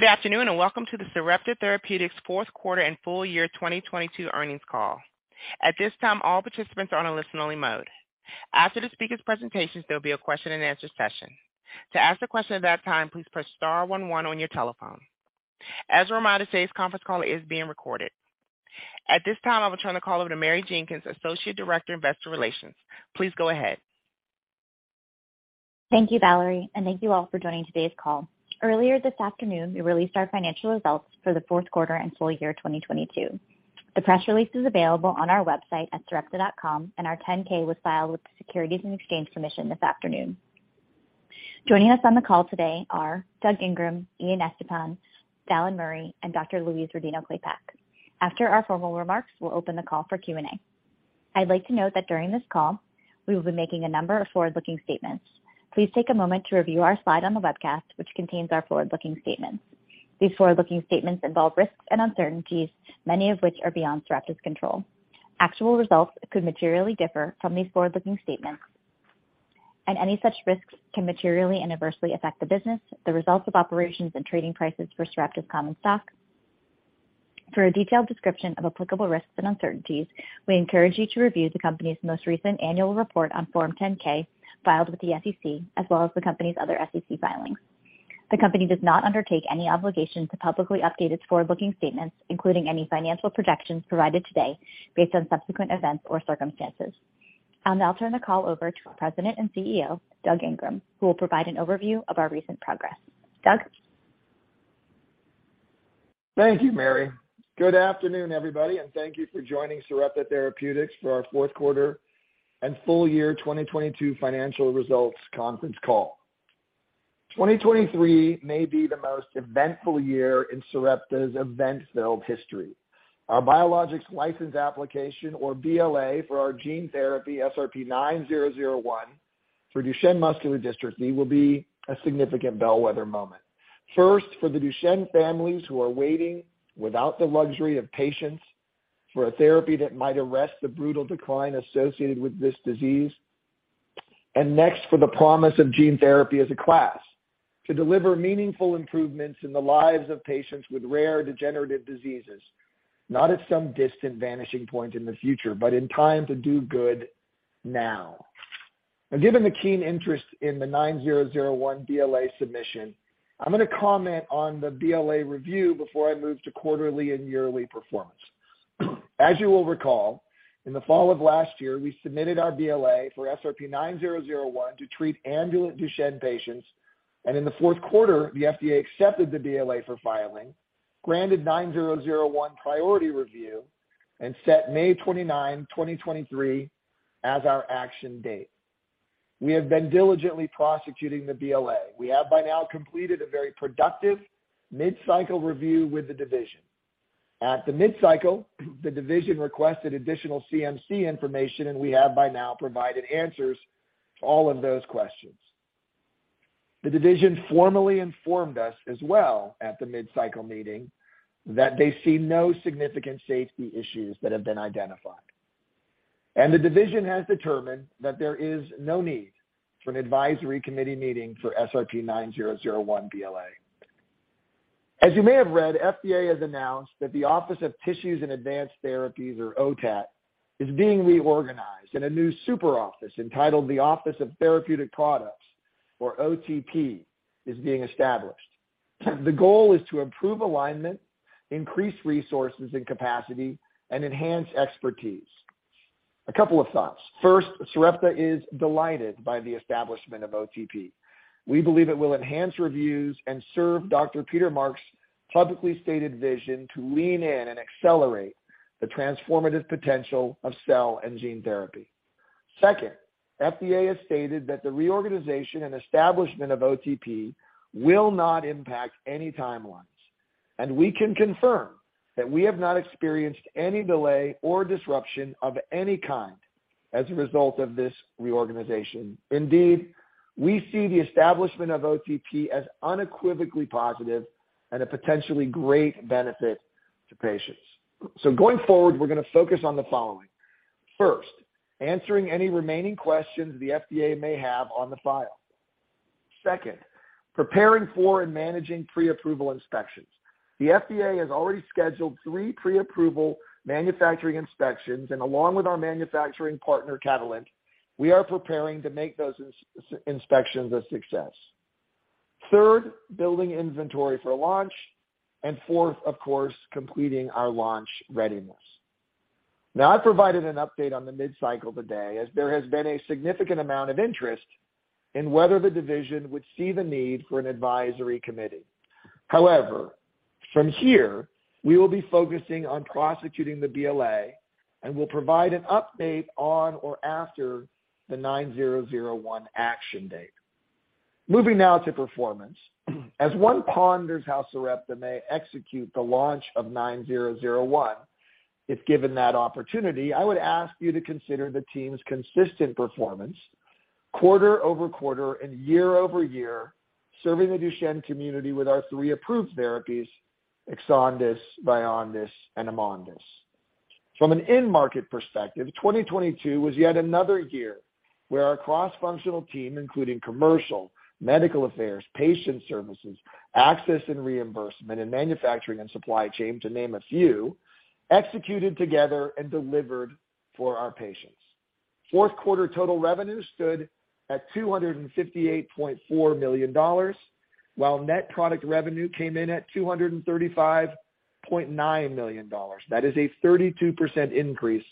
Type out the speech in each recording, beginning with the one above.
Good afternoon, welcome to the Sarepta Therapeutics Fourth Quarter and Full-Year 2022 Earnings Call. At this time, all participants are on a listen-only mode. After the speaker's presentations, there'll be a question-and-answer session. To ask a question at that time, please press star one one on your telephone. As a reminder, today's conference call is being recorded. At this time, I will turn the call over to Mary Jenkins, Associate Director, Investor Relations. Please go aheAdCom. Thank you, Valerie, and thank you all for joining today's call. Earlier this afternoon, we released our financial results for the fourth quarter and full-year 2022. The press release is available on our website at sarepta.com, and our 10-K was filed with the Securities and Exchange Commission this afternoon. Joining us on the call today are Doug Ingram, Ian Estepan, Dallan Murray, and Dr. Louise Rodino-Klapac. After our formal remarks, we'll open the call for Q&A. I'd like to note that during this call we will be making a number of forward-looking statements. Please take a moment to review our slide on the webcast, which contains our forward-looking statements. These forward-looking statements involve risks and uncertainties, many of which are beyond Sarepta's control. Actual results could materially differ from these forward-looking statements, and any such risks can materially and adversely affect the business, the results of operations and trading prices for Sarepta's common stock. For a detailed description of applicable risks and uncertainties, we encourage you to review the company's most recent annual report on Form 10-K filed with the SEC, as well as the company's other SEC filings. The company does not undertake any obligation to publicly update its forward-looking statements, including any financial projections provided today based on subsequent events or circumstances. I'll now turn the call over to our President and CEO, Doug Ingram, who will provide an overview of our recent progress. Doug? Thank you, Mary. Good afternoon, everybody. Thank you for joining Sarepta Therapeutics for our Fourth Quarter and Full-Year 2022 Financial Results Conference Call. 2023 may be the most eventful year in Sarepta's event-filled history. Our biologics license application or BLA for our gene therapy, SRP-9001 for Duchenne muscular dystrophy will be a significant bellwether moment. First, for the Duchenne families who are waiting without the luxury of patients for a therapy that might arrest the brutal decline associated with this disease. Next, for the promise of gene therapy as a class to deliver meaningful improvements in the lives of patients with rare degenerative diseases, not at some distant vanishing point in the future, but in time to do good now. Given the keen interest in the 9001 BLA submission, I'm gonna comment on the BLA review before I move to quarterly and yearly performance. You will recall, in the fall of last year, we submitted our BLA for SRP-9001 to treat ambulant Duchenne patients. In the fourth quarter, the FDA accepted the BLA for filing, granted 9001 priority review, and set May 29, 2023 as our action date. We have been diligently prosecuting the BLA. We have by now completed a very productive mid-cycle review with the division. At the mid-cycle, the division requested additional CMC information, we have by now provided answers to all of those questions. The division formally informed us as well at the mid-cycle meeting that they see no significant safety issues that have been identified. The division has determined that there is no need for an advisory committee meeting for SRP-9001 BLA. As you may have read, FDA has announced that the Office of Tissues and Advanced Therapies, or OTAT, is being reorganized in a new super office entitled The Office of Therapeutic Products, or OTP, is being established. The goal is to improve alignment, increase resources and capacity, and enhance expertise. A couple of thoughts. First, Sarepta is delighted by the establishment of OTP. We believe it will enhance reviews and serve Dr. Peter Marks' publicly stated vision to lean in and accelerate the transformative potential of cell and gene therapy. Second, FDA has stated that the reorganization and establishment of OTP will not impact any timelines, and we can confirm that we have not experienced any delay or disruption of any kind as a result of this reorganization. Indeed, we see the establishment of OTP as unequivocally positive and a potentially great benefit to patients. Going forward, we're gonna focus on the following. First, answering any remaining questions the FDA may have on the file. Second, preparing for and managing pre-approval inspections. The FDA has already scheduled three pre-approval manufacturing inspections, and along with our manufacturing partner, Catalent, we are preparing to make those inspections a success. Third, building inventory for launch. Fourth, of course, completing our launch readiness. I've provided an update on the mid-cycle today as there has been a significant amount of interest in whether the division would see the need for an advisory committee. However, from here, we will be focusing on prosecuting the BLA and will provide an update on or after the 9001 action date. Moving now to performance. As one ponders how Sarepta may execute the launch of SRP-9001, if given that opportunity, I would ask you to consider the team's consistent performance quarter-over-quarter and year-over-year, serving the Duchenne community with our three approved therapies, EXONDYS 51, VYONDYS 53, and AMONDYS 45. From an end market perspective, 2022 was yet another year where our cross-functional team, including commercial, medical affairs, patient services, access and reimbursement, and manufacturing and supply chain, to name a few, executed together and delivered for our patients. Fourth quarter total revenue stood at $258.4 million, while net product revenue came in at $235.9 million. That is a 32% increase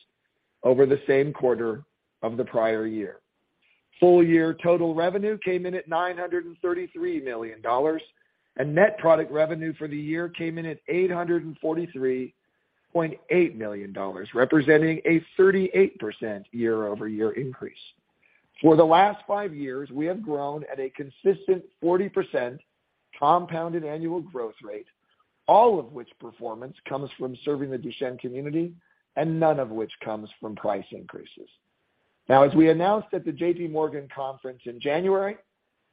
over the same quarter of the prior year. full-year total revenue came in at $933 million. Net product revenue for the year came in at $843.8 million, representing a 38% year-over-year increase. For the last five years, we have grown at a consistent 40% compounded annual growth rate, all of which performance comes from serving the Duchenne community and none of which comes from price increases. As we announced at the JPMorgan Conference in January,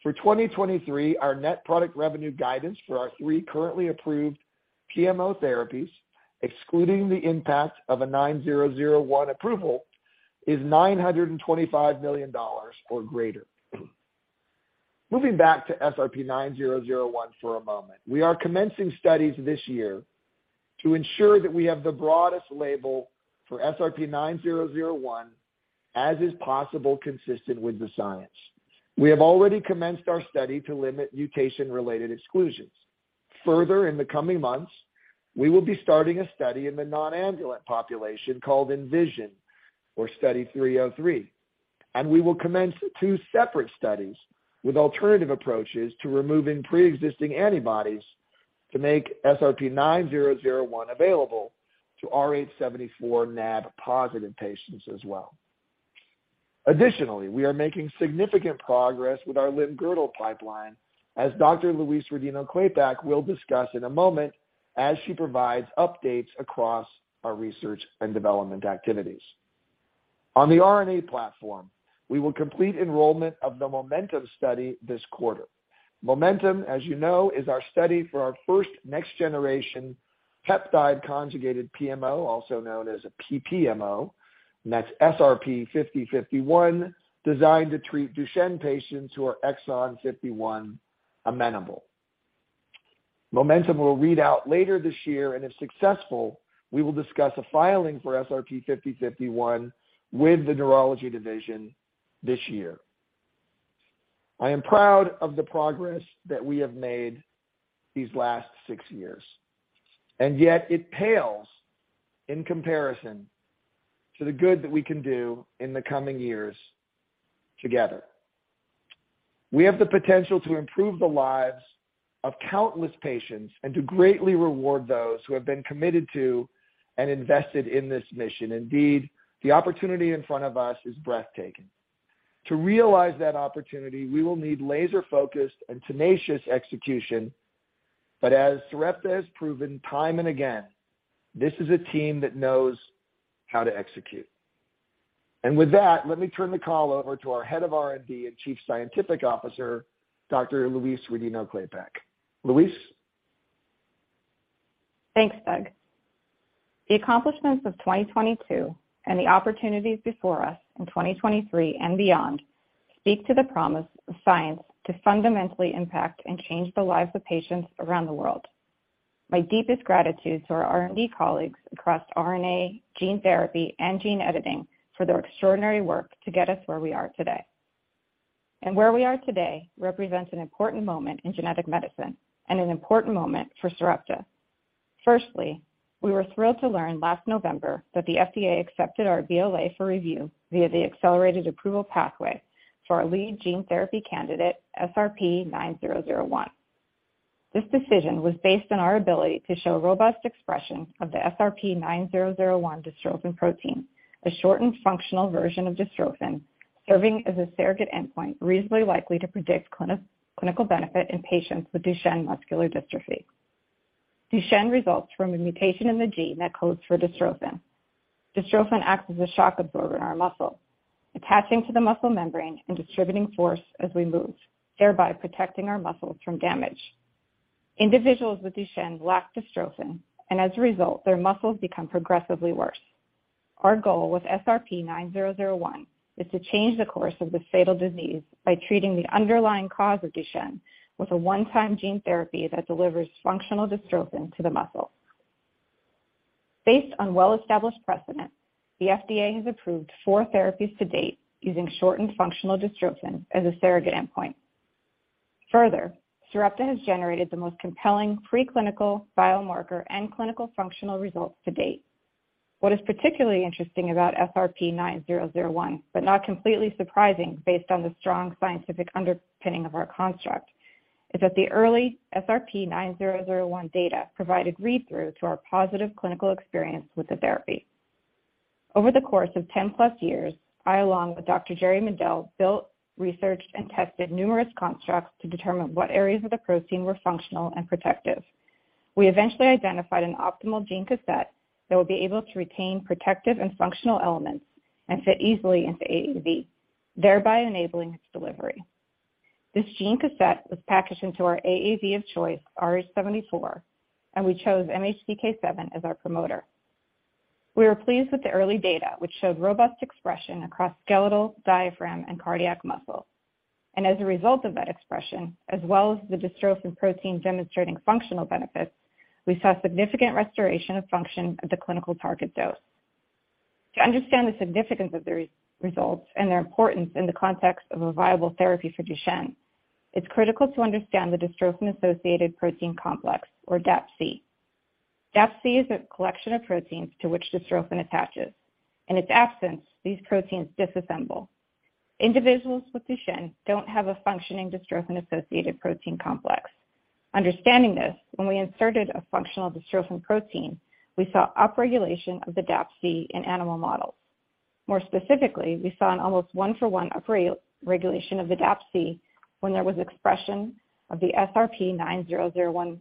for 2023, our net product revenue guidance for our three currently approved PMO therapies, excluding the impact of a SRP-9001 approval, is $925 million or greater. Moving back to SRP-9001 for a moment. We are commencing studies this year to ensure that we have the broadest label for SRP-9001 as is possible consistent with the science. We have already commenced our study to limit mutation-related exclusions. Further, in the coming months, we will be starting a study in the non-ambulant population called ENVISION or Study 303, and we will commence two separate studies with alternative approaches to removing preexisting antibodies to make SRP-9001 available to rh74 NAb positive patients as well. Additionally, we are making significant progress with our limb girdle pipeline as Dr. Louise Rodino-Klapac will discuss in a moment as she provides updates across our research and development activities. On the RNA platform, we will complete enrollment of the MOMENTUM study this quarter. MOMENTUM, as you know, is our study for our first next-generation peptide conjugated PMO, also known as a PPMO, and that's SRP-5051, designed to treat Duchenne patients who are exon 51 amenable. If successful, we will discuss a filing for SRP-5051 with the neurology division this year. I am proud of the progress that we have made these last six years. Yet it pales in comparison to the good that we can do in the coming years together. We have the potential to improve the lives of countless patients and to greatly reward those who have been committed to and invested in this mission. Indeed, the opportunity in front of us is breathtaking. To realize that opportunity, we will need laser-focused and tenacious execution. As Sarepta has proven time and again, this is a team that knows how to execute. With that, let me turn the call over to our Head of R&D and Chief Scientific Officer, Dr. Louise Rodino-Klapac. Luis? Thanks, Doug. The accomplishments of 2022 and the opportunities before us in 2023 and beyond, speak to the promise of science to fundamentally impact and change the lives of patients around the world. My deepest gratitude to our R&D colleagues across RNA, gene therapy, and gene editing for their extraordinary work to get us where we are today. Where we are today represents an important moment in genetic medicine and an important moment for Sarepta. Firstly, we were thrilled to learn last November that the FDA accepted our BLA for review via the Accelerated Approval pathway for our lead gene therapy candidate, SRP-9001. This decision was based on our ability to show robust expression of the SRP-9001 dystrophin protein, a shortened functional version of dystrophin, serving as a surrogate endpoint reasonably likely to predict clinical benefit in patients with Duchenne muscular dystrophy. Duchenne results from a mutation in the gene that codes for dystrophin. Dystrophin acts as a shock absorber in our muscle, attaching to the muscle membrane and distributing force as we move, thereby protecting our muscles from damage. Individuals with Duchenne lack dystrophin. As a result, their muscles become progressively worse. Our goal with SRP-9001 is to change the course of this fatal disease by treating the underlying cause of Duchenne with a one-time gene therapy that delivers functional dystrophin to the muscle. Based on well-established precedent, the FDA has approved four therapies to date using shortened functional dystrophin as a surrogate endpoint. Sarepta has generated the most compelling preclinical biomarker and clinical functional results to date. What is particularly interesting about SRP-9001, but not completely surprising based on the strong scientific underpinning of our construct, is that the early SRP-9001 data provide a read-through to our positive clinical experience with the therapy. Over the course of 10+ years, I, along with Dr. Jerry Mendell, built, researched, and tested numerous constructs to determine what areas of the protein were functional and protective. We eventually identified an optimal gene cassette that will be able to retain protective and functional elements and fit easily into AAV, thereby enabling its delivery. This gene cassette was packaged into our AAV of choice, rh74, and we chose MHCK7 as our promoter. We were pleased with the early data, which showed robust expression across skeletal, diaphragm, and cardiac muscle. As a result of that expression, as well as the dystrophin protein demonstrating functional benefits, we saw significant restoration of function at the clinical target dose. To understand the significance of the results and their importance in the context of a viable therapy for Duchenne, it's critical to understand the dystrophin-associated protein complex, or DAPC. DAPC is a collection of proteins to which dystrophin attaches. In its absence, these proteins disassemble. Individuals with Duchenne don't have a functioning dystrophin-associated protein complex. Understanding this, when we inserted a functional dystrophin protein, we saw upregulation of the DAPC in animal models. More specifically, we saw an almost one-for-one upregulation of the DAPC when there was expression of the SRP-9001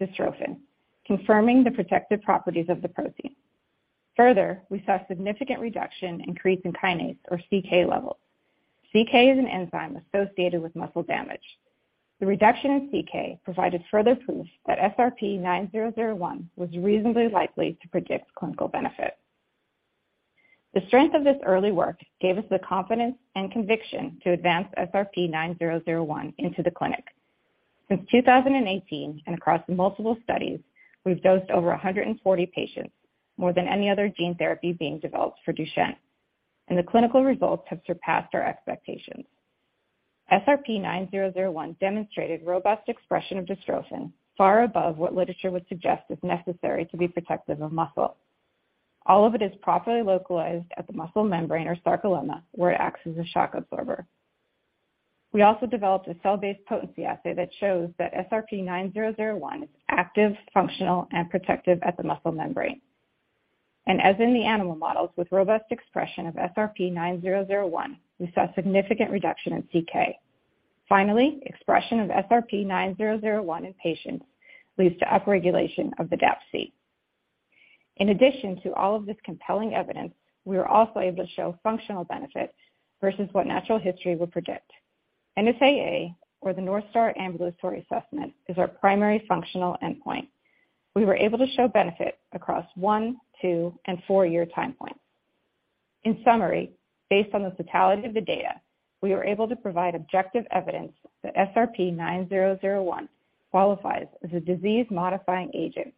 dystrophin, confirming the protective properties of the protein. Further, we saw significant reduction in creatine kinase, or CK levels. CK is an enzyme associated with muscle damage. The reduction in CK provided further proof that SRP-9001 was reasonably likely to predict clinical benefit. The strength of this early work gave us the confidence and conviction to advance SRP-9001 into the clinic. Since 2018, and across multiple studies, we've dosed over 140 patients, more than any other gene therapy being developed for Duchenne, and the clinical results have surpassed our expectations. SRP-9001 demonstrated robust expression of dystrophin far above what literature would suggest is necessary to be protective of muscle. All of it is properly localized at the muscle membrane or sarcolemma, where it acts as a shock absorber. We also developed a cell-based potency assay that shows that SRP-9001 is active, functional, and protective at the muscle membrane. As in the animal models, with robust expression of SRP-9001, we saw significant reduction in CK. Finally, expression of SRP-9001 in patients leads to upregulation of the DAPC. In addition to all of this compelling evidence, we were also able to show functional benefit versus what natural history would predict. NSAA, or the North Star Ambulatory Assessment, is our primary functional endpoint. We were able to show benefit across one, two, and four-year time points. In summary, based on the totality of the data, we were able to provide objective evidence that SRP-9001 qualifies as a disease-modifying agent,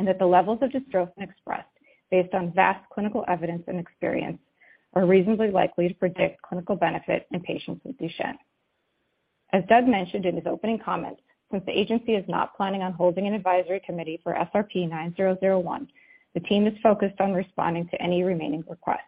and that the levels of dystrophin expressed based on vast clinical evidence and experience are reasonably likely to predict clinical benefit in patients with Duchenne. As Doug mentioned in his opening comments, since the agency is not planning on holding an advisory committee for SRP-9001, the team is focused on responding to any remaining requests.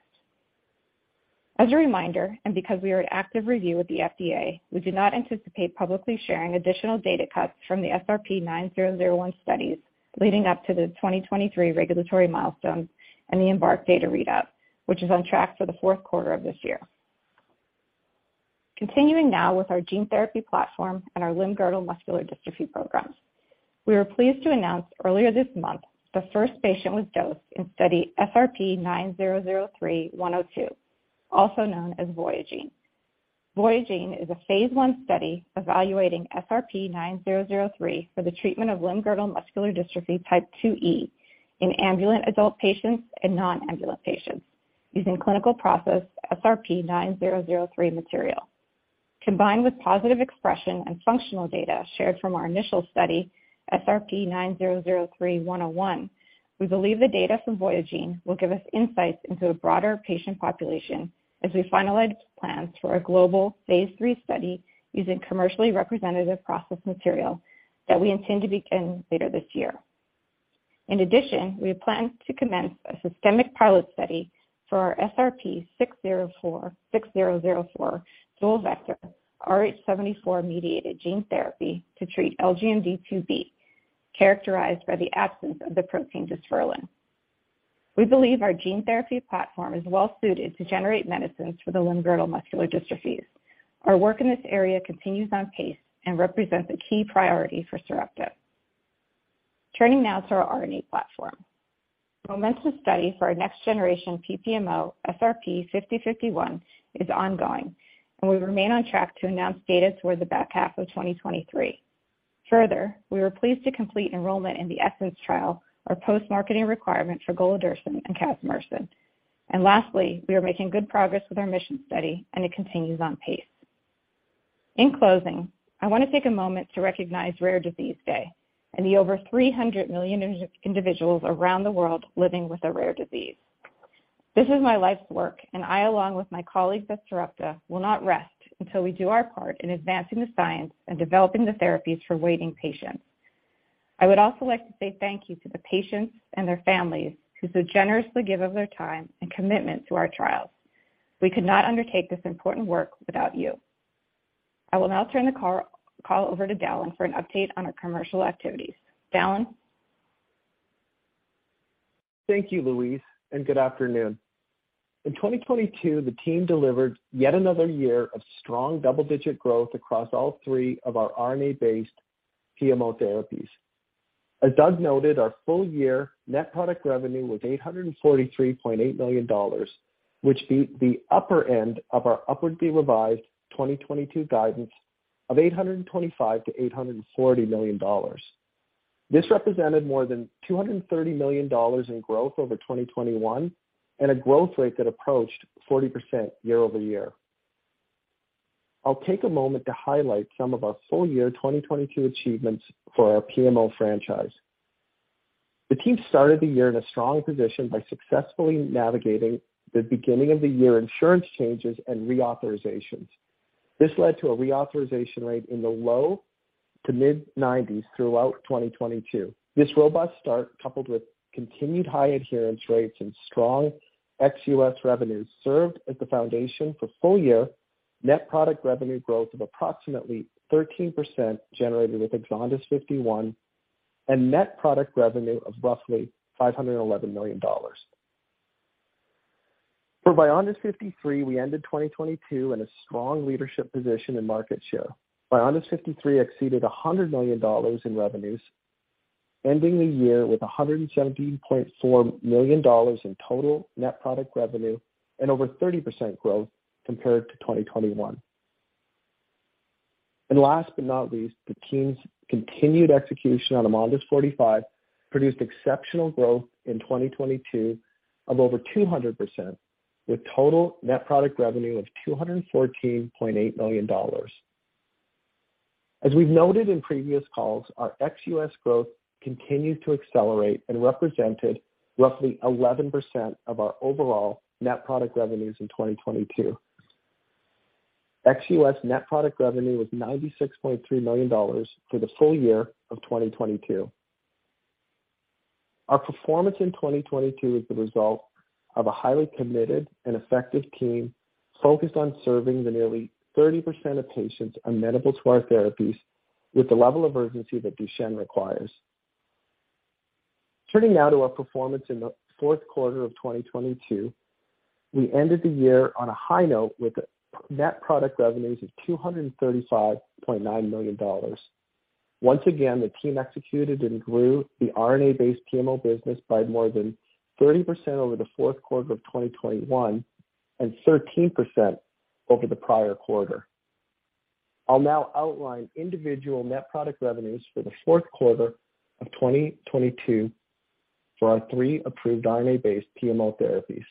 As a reminder, and because we are in active review with the FDA, we do not anticipate publicly sharing additional data cuts from the SRP-9001 studies leading up to the 2023 regulatory milestones and the EMBARK data read-out, which is on track for the fourth quarter of this year. Continuing now with our gene therapy platform and our limb girdle muscular dystrophy programs. We were pleased to announce earlier this month the first patient was dosed in study SRP-9003 102, also known as VOYAGENE. VOYAGENE is a phase I study evaluating SRP-9003 for the treatment of limb girdle muscular dystrophy Type 2E in ambulant adult patients and non-ambulant patients using clinical process SRP-9003 material. Combined with positive expression and functional data shared from our initial study, SRP-9003-101, we believe the data from VOYAGENE will give us insights into a broader patient population as we finalize plans for a global phase III study using commercially representative process material that we intend to begin later this year. We plan to commence a systemic pilot study for our SRP-6046004 dual vector rh74-mediated gene therapy to treat LGMD2B, characterized by the absence of the protein dysferlin. We believe our gene therapy platform is well suited to generate medicines for the limb girdle muscular dystrophies. Our work in this area continues on pace and represents a key priority for Sarepta. Turning now to our RNA platform. The MOMENTUM study for our next generation PPMO, SRP-5051, is ongoing, we remain on track to announce data towards the back half of 2023. Further, we were pleased to complete enrollment in the ESSENCE trial, our post-marketing requirement for golodirsen and casimersen. Lastly, we are making good progress with our MIS51ON study, and it continues on pace. In closing, I wanna take a moment to recognize Rare Disease Day and the over 300 million individuals around the world living with a rare disease. This is my life's work, and I, along with my colleagues at Sarepta, will not rest until we do our part in advancing the science and developing the therapies for waiting patients. I would also like to say thank you to the patients and their families, who so generously give of their time and commitment to our trials. We could not undertake this important work without you. I will now turn the call over to Dallan for an update on our commercial activities. Dallan? Thank you, Louise. Good afternoon. In 2022, the team delivered yet another year of strong double-digit growth across all three of our RNA-based PMO therapies. As Doug noted, our full-year net product revenue was $843.8 million, which beat the upper end of our upwardly revised 2022 guidance of $825 million-$840 million. This represented more than $230 million in growth over 2021 and a growth rate that approached 40% year-over-year. I'll take a moment to highlight some of our full-year 2022 achievements for our PMO franchise. The team started the year in a strong position by successfully navigating the beginning of the year insurance changes and reauthorizations. This led to a reauthorization rate in the low to mid-90s throughout 2022. This robust start, coupled with continued high adherence rates and strong ex-U.S. revenues, served as the foundation for full-year net product revenue growth of approximately 13% generated with EXONDYS 51 and net product revenue of roughly $511 million. For VYONDYS 53, we ended 2022 in a strong leadership position in market share. VYONDYS 53 exceeded $100 million in revenues, ending the year with $117.4 million in total net product revenue and over 30% growth compared to 2021. Last but not least, the team's continued execution on AMONDYS 45 produced exceptional growth in 2022 of over 200%, with total net product revenue of $214.8 million. As we've noted in previous calls, our ex-US growth continued to accelerate and represented roughly 11% of our overall net product revenues in 2022. Ex-US net product revenue was $96.3 million for the full-year of 2022. Our performance in 2022 is the result of a highly committed and effective team focused on serving the nearly 30% of patients amenable to our therapies with the level of urgency that Duchenne requires. Turning now to our performance in the fourth quarter of 2022. We ended the year on a high note with net product revenues of $235.9 million. Once again, the team executed and grew the RNA-based PMO business by more than 30% over the fourth quarter of 2021 and 13% over the prior quarter. I'll now outline individual net product revenues for the fourth quarter of 2022 for our three approved RNA-based PMO therapies.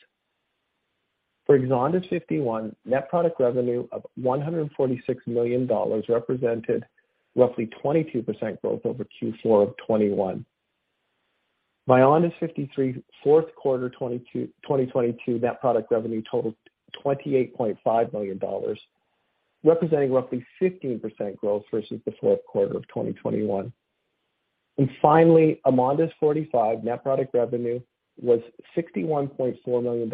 For EXONDYS 51, net product revenue of $146 million represented roughly 22% growth over Q4 of 2021. VYONDYS 53 fourth quarter 2022 net product revenue totaled $28.5 million, representing roughly 15% growth versus the fourth quarter of 2021. Finally, AMONDYS 45 net product revenue was $61.4 million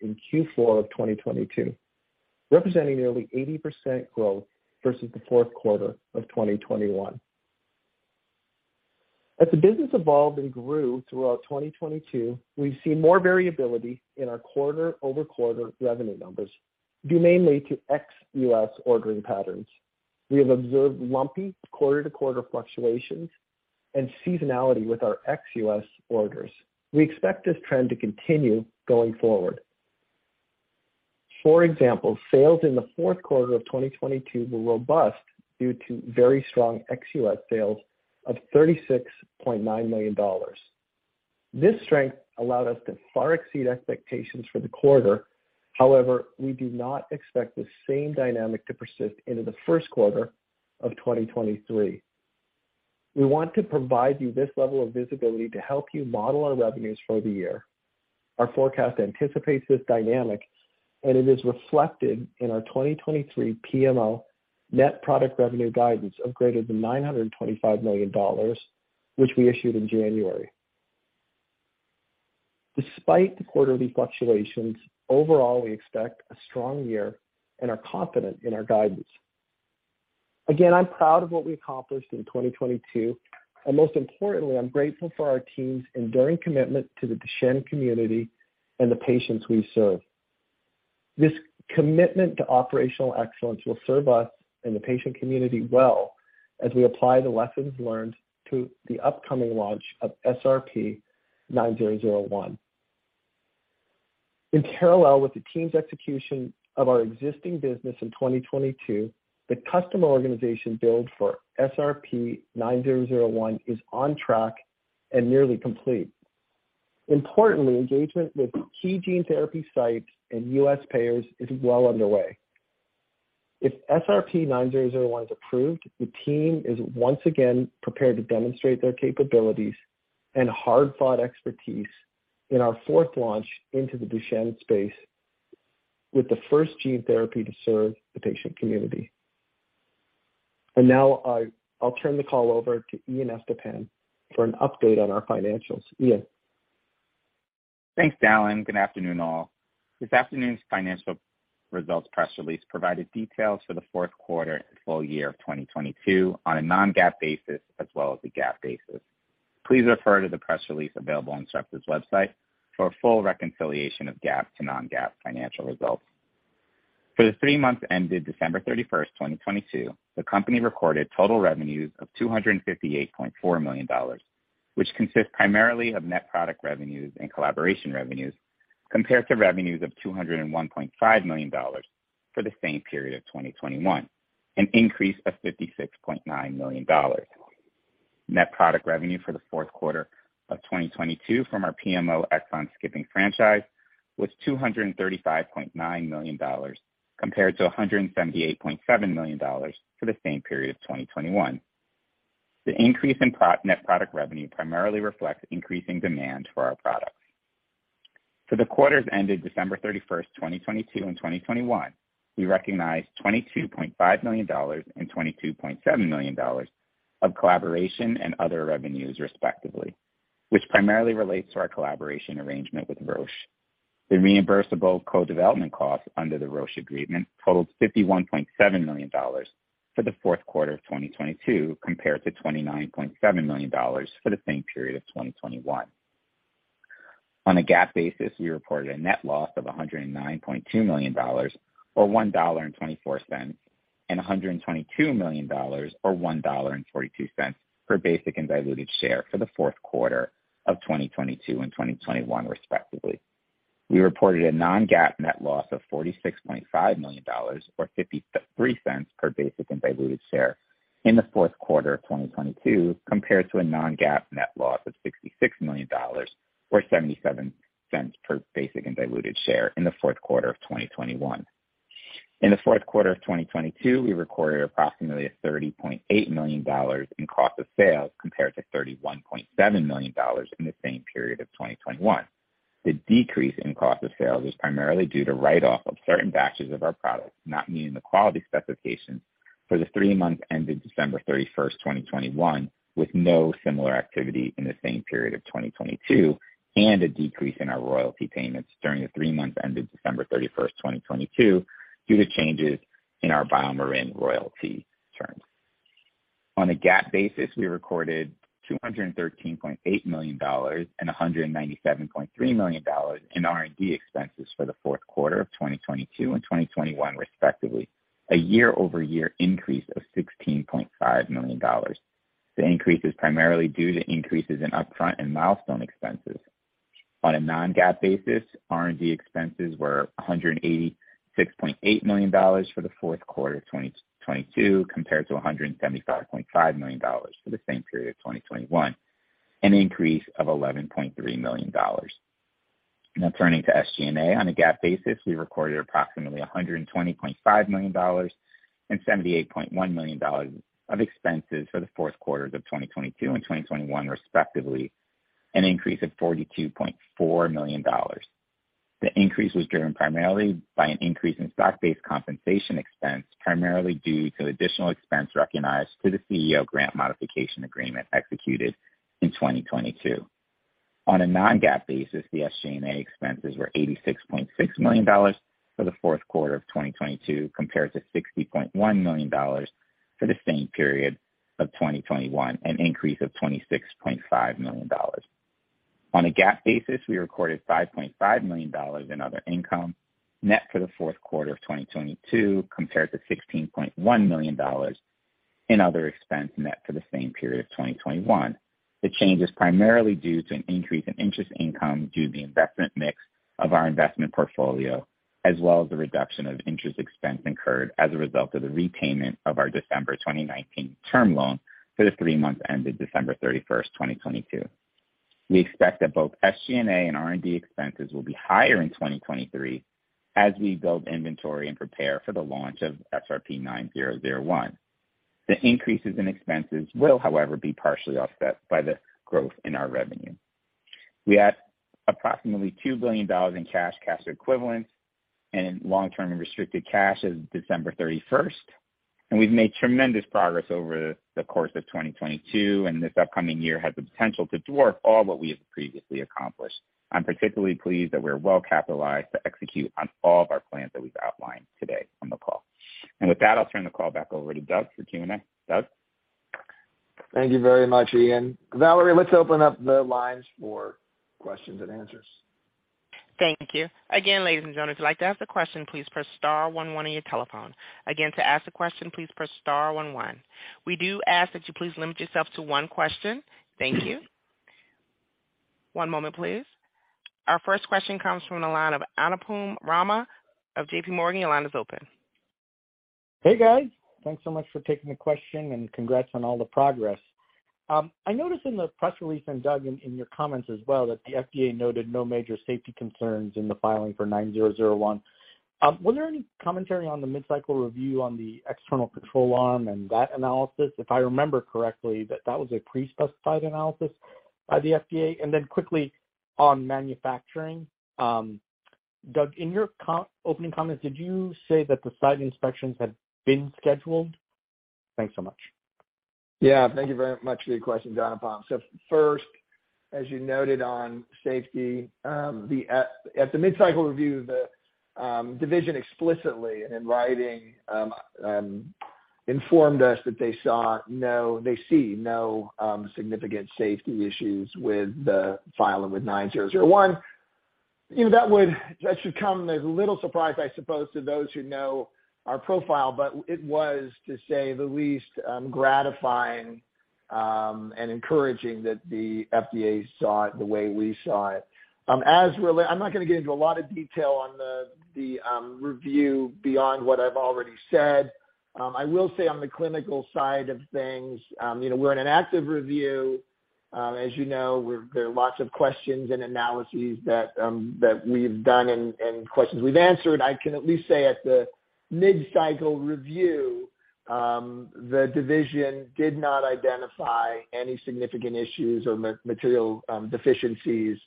in Q4 of 2022, representing nearly 80% growth versus the fourth quarter of 2021. As the business evolved and grew throughout 2022, we've seen more variability in our quarter-over-quarter revenue numbers due mainly to ex-US ordering patterns. We have observed lumpy quarter-to-quarter fluctuations and seasonality with our ex-US orders. We expect this trend to continue going forward. For example, sales in the fourth quarter of 2022 were robust due to very strong ex-U.S. sales of $36.9 million. This strength allowed us to far exceed expectations for the quarter. However, we do not expect the same dynamic to persist into the first quarter of 2023. We want to provide you this level of visibility to help you model our revenues for the year. Our forecast anticipates this dynamic, and it is reflected in our 2023 PMO net product revenue guidance of greater than $925 million, which we issued in January. Despite the quarterly fluctuations, overall, we expect a strong year and are confident in our guidance. Again, I'm proud of what I accomplished in 2022, and most importantly, I'm grateful for our team's enduring commitment to the Duchenne community and the patients we serve. This commitment to operational excellence will serve us and the patient community well as we apply the lessons learned to the upcoming launch of SRP-9001. In parallel with the team's execution of our existing business in 2022, the customer organization build for SRP-9001 is on track and nearly complete. Importantly, engagement with key gene therapy sites and U.S. payers is well underway. If SRP-9001 is approved, the team is once again prepared to demonstrate their capabilities and hard-fought expertise in our fourth launch into the Duchenne space with the first gene therapy to serve the patient community. Now I'll turn the call over to Ian Estepan for an update on our financials. Ian? Thanks, Dallan. Good afternoon, all. This afternoon's financial results press release provided details for the fourth quarter and full-year of 2022 on a non-GAAP basis as well as the GAAP basis. Please refer to the press release available on Sarepta's website for a full reconciliation of GAAP to non-GAAP financial results. For the three months ended December 31st, 2022, the company recorded total revenues of $258.4 million, which consists primarily of net product revenues and collaboration revenues, compared to revenues of $201.5 million for the same period of 2021, an increase of $56.9 million. Net product revenue for the fourth quarter of 2022 from our PMO exon skipping franchise was $235.9 million, compared to $178.7 million for the same period of 2021. The increase in net product revenue primarily reflects increasing demand for our products. For the quarters ended December 31st, 2022 and 2021, we recognized $22.5 million and $22.7 million of collaboration and other revenues, respectively, which primarily relates to our collaboration arrangement with Roche. The reimbursable co-development costs under the Roche agreement totaled $51.7 million for the fourth quarter of 2022, compared to $29.7 million for the same period of 2021. On a GAAP basis, we reported a net loss of $109.2 million, or $1.24, and $122 million, or $1.42 per basic and diluted share for the fourth quarter of 2022 and 2021, respectively. We reported a non-GAAP net loss of $46.5 million, or $0.53 per basic and diluted share in the fourth quarter of 2022, compared to a non-GAAP net loss of $66 million, or $0.77 per basic and diluted share in the fourth quarter of 2021. In the fourth quarter of 2022, we recorded approximately $30.8 million in cost of sales, compared to $31.7 million in the same period of 2021. The decrease in cost of sales was primarily due to write-off of certain batches of our products, not meeting the quality specifications for the three months ended December 31st, 2021, with no similar activity in the same period of 2022, and a decrease in our royalty payments during the three months ended December 31st, 2022, due to changes in our BioMarin royalty terms. On a GAAP basis, we recorded $213.8 million and $197.3 million in R&D expenses for the fourth quarter of 2022 and 2021, respectively, a year-over-year increase of $16.5 million. The increase is primarily due to increases in upfront and milestone expenses. On a non-GAAP basis, R&D expenses were $186.8 million for the fourth quarter of 2022, compared to $175.5 million for the same period of 2021, an increase of $11.3 million. Turning to SG&A. On a GAAP basis, we recorded approximately $120.5 million and $78.1 million of expenses for the fourth quarters of 2022 and 2021, respectively, an increase of $42.4 million. The increase was driven primarily by an increase in stock-based compensation expense, primarily due to additional expense recognized to the CEO grant modification agreement executed in 2022. On a non-GAAP basis, the SG&A expenses were $86.6 million for the fourth quarter of 2022, compared to $60.1 million for the same period of 2021, an increase of $26.5 million. On a GAAP basis, we recorded $5.5 million in other income net for the fourth quarter of 2022, compared to $16.1 million in other expense net for the same period of 2021. The change is primarily due to an increase in interest income due to the investment mix of our investment portfolio, as well as the reduction of interest expense incurred as a result of the repayment of our December 2019 term loan for the three months ended December 31st, 2022. We expect that both SG&A and R&D expenses will be higher in 2023 as we build inventory and prepare for the launch of SRP-9001. The increases in expenses will, however, be partially offset by the growth in our revenue. We had approximately $2 billion in cash equivalents, and long-term restricted cash as of December 31st. We've made tremendous progress over the course of 2022, and this upcoming year has the potential to dwarf all what we have previously accomplished. I'm particularly pleased that we're well-capitalized to execute on all of our plans that we've outlined today on the call. With that, I'll turn the call back over to Doug for Q&A. Doug? Thank you very much, Ian. Valerie, let's open up the lines for questions and answers. Thank you. Again, ladies and gentlemen, if you'd like to ask a question, please press star one one on your telephone. Again, to ask a question, please press star one one. We do ask that you please limit yourself to one question. Thank you. One moment, please. Our first question comes from the line of Anupam Rama of JPMorgan. Your line is open. Hey, guys. Thanks so much for taking the question and congrats on all the progress. I noticed in the press release and Doug, in your comments as well, that the FDA noted no major safety concerns in the filing for SRP-9001. Was there any commentary on the mid-cycle review on the external control arm and that analysis? If I remember correctly, that was a pre-specified analysis by the FDA. Quickly on manufacturing, Doug, in your opening comments, did you say that the site inspections had been scheduled? Thanks so much. Yeah. Thank you very much for your question, Anupam. First, as you noted on safety, at the mid-cycle review, the division explicitly in writing informed us that they see no significant safety issues with the filing with 9001. You know, that should come as little surprise, I suppose, to those who know our profile, but it was, to say the least, gratifying and encouraging that the FDA saw it the way we saw it. I'm not gonna get into a lot of detail on the review beyond what I've already said. I will say on the clinical side of things, you know, we're in an active review, as you know, there are lots of questions and analyses that we've done and questions we've answered. I can at least say at the mid-cycle review, the division did not identify any significant issues or material deficiencies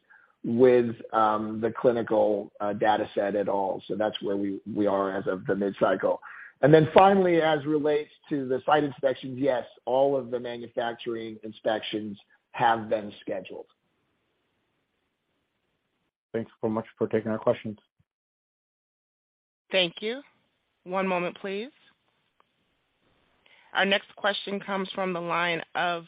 with the clinical data set at all. That's where we are as of the mid-cycle. Finally, as relates to the site inspections, yes, all of the manufacturing inspections have been scheduled. Thanks so much for taking our questions. Thank you. One moment, please. Our next question comes from the line of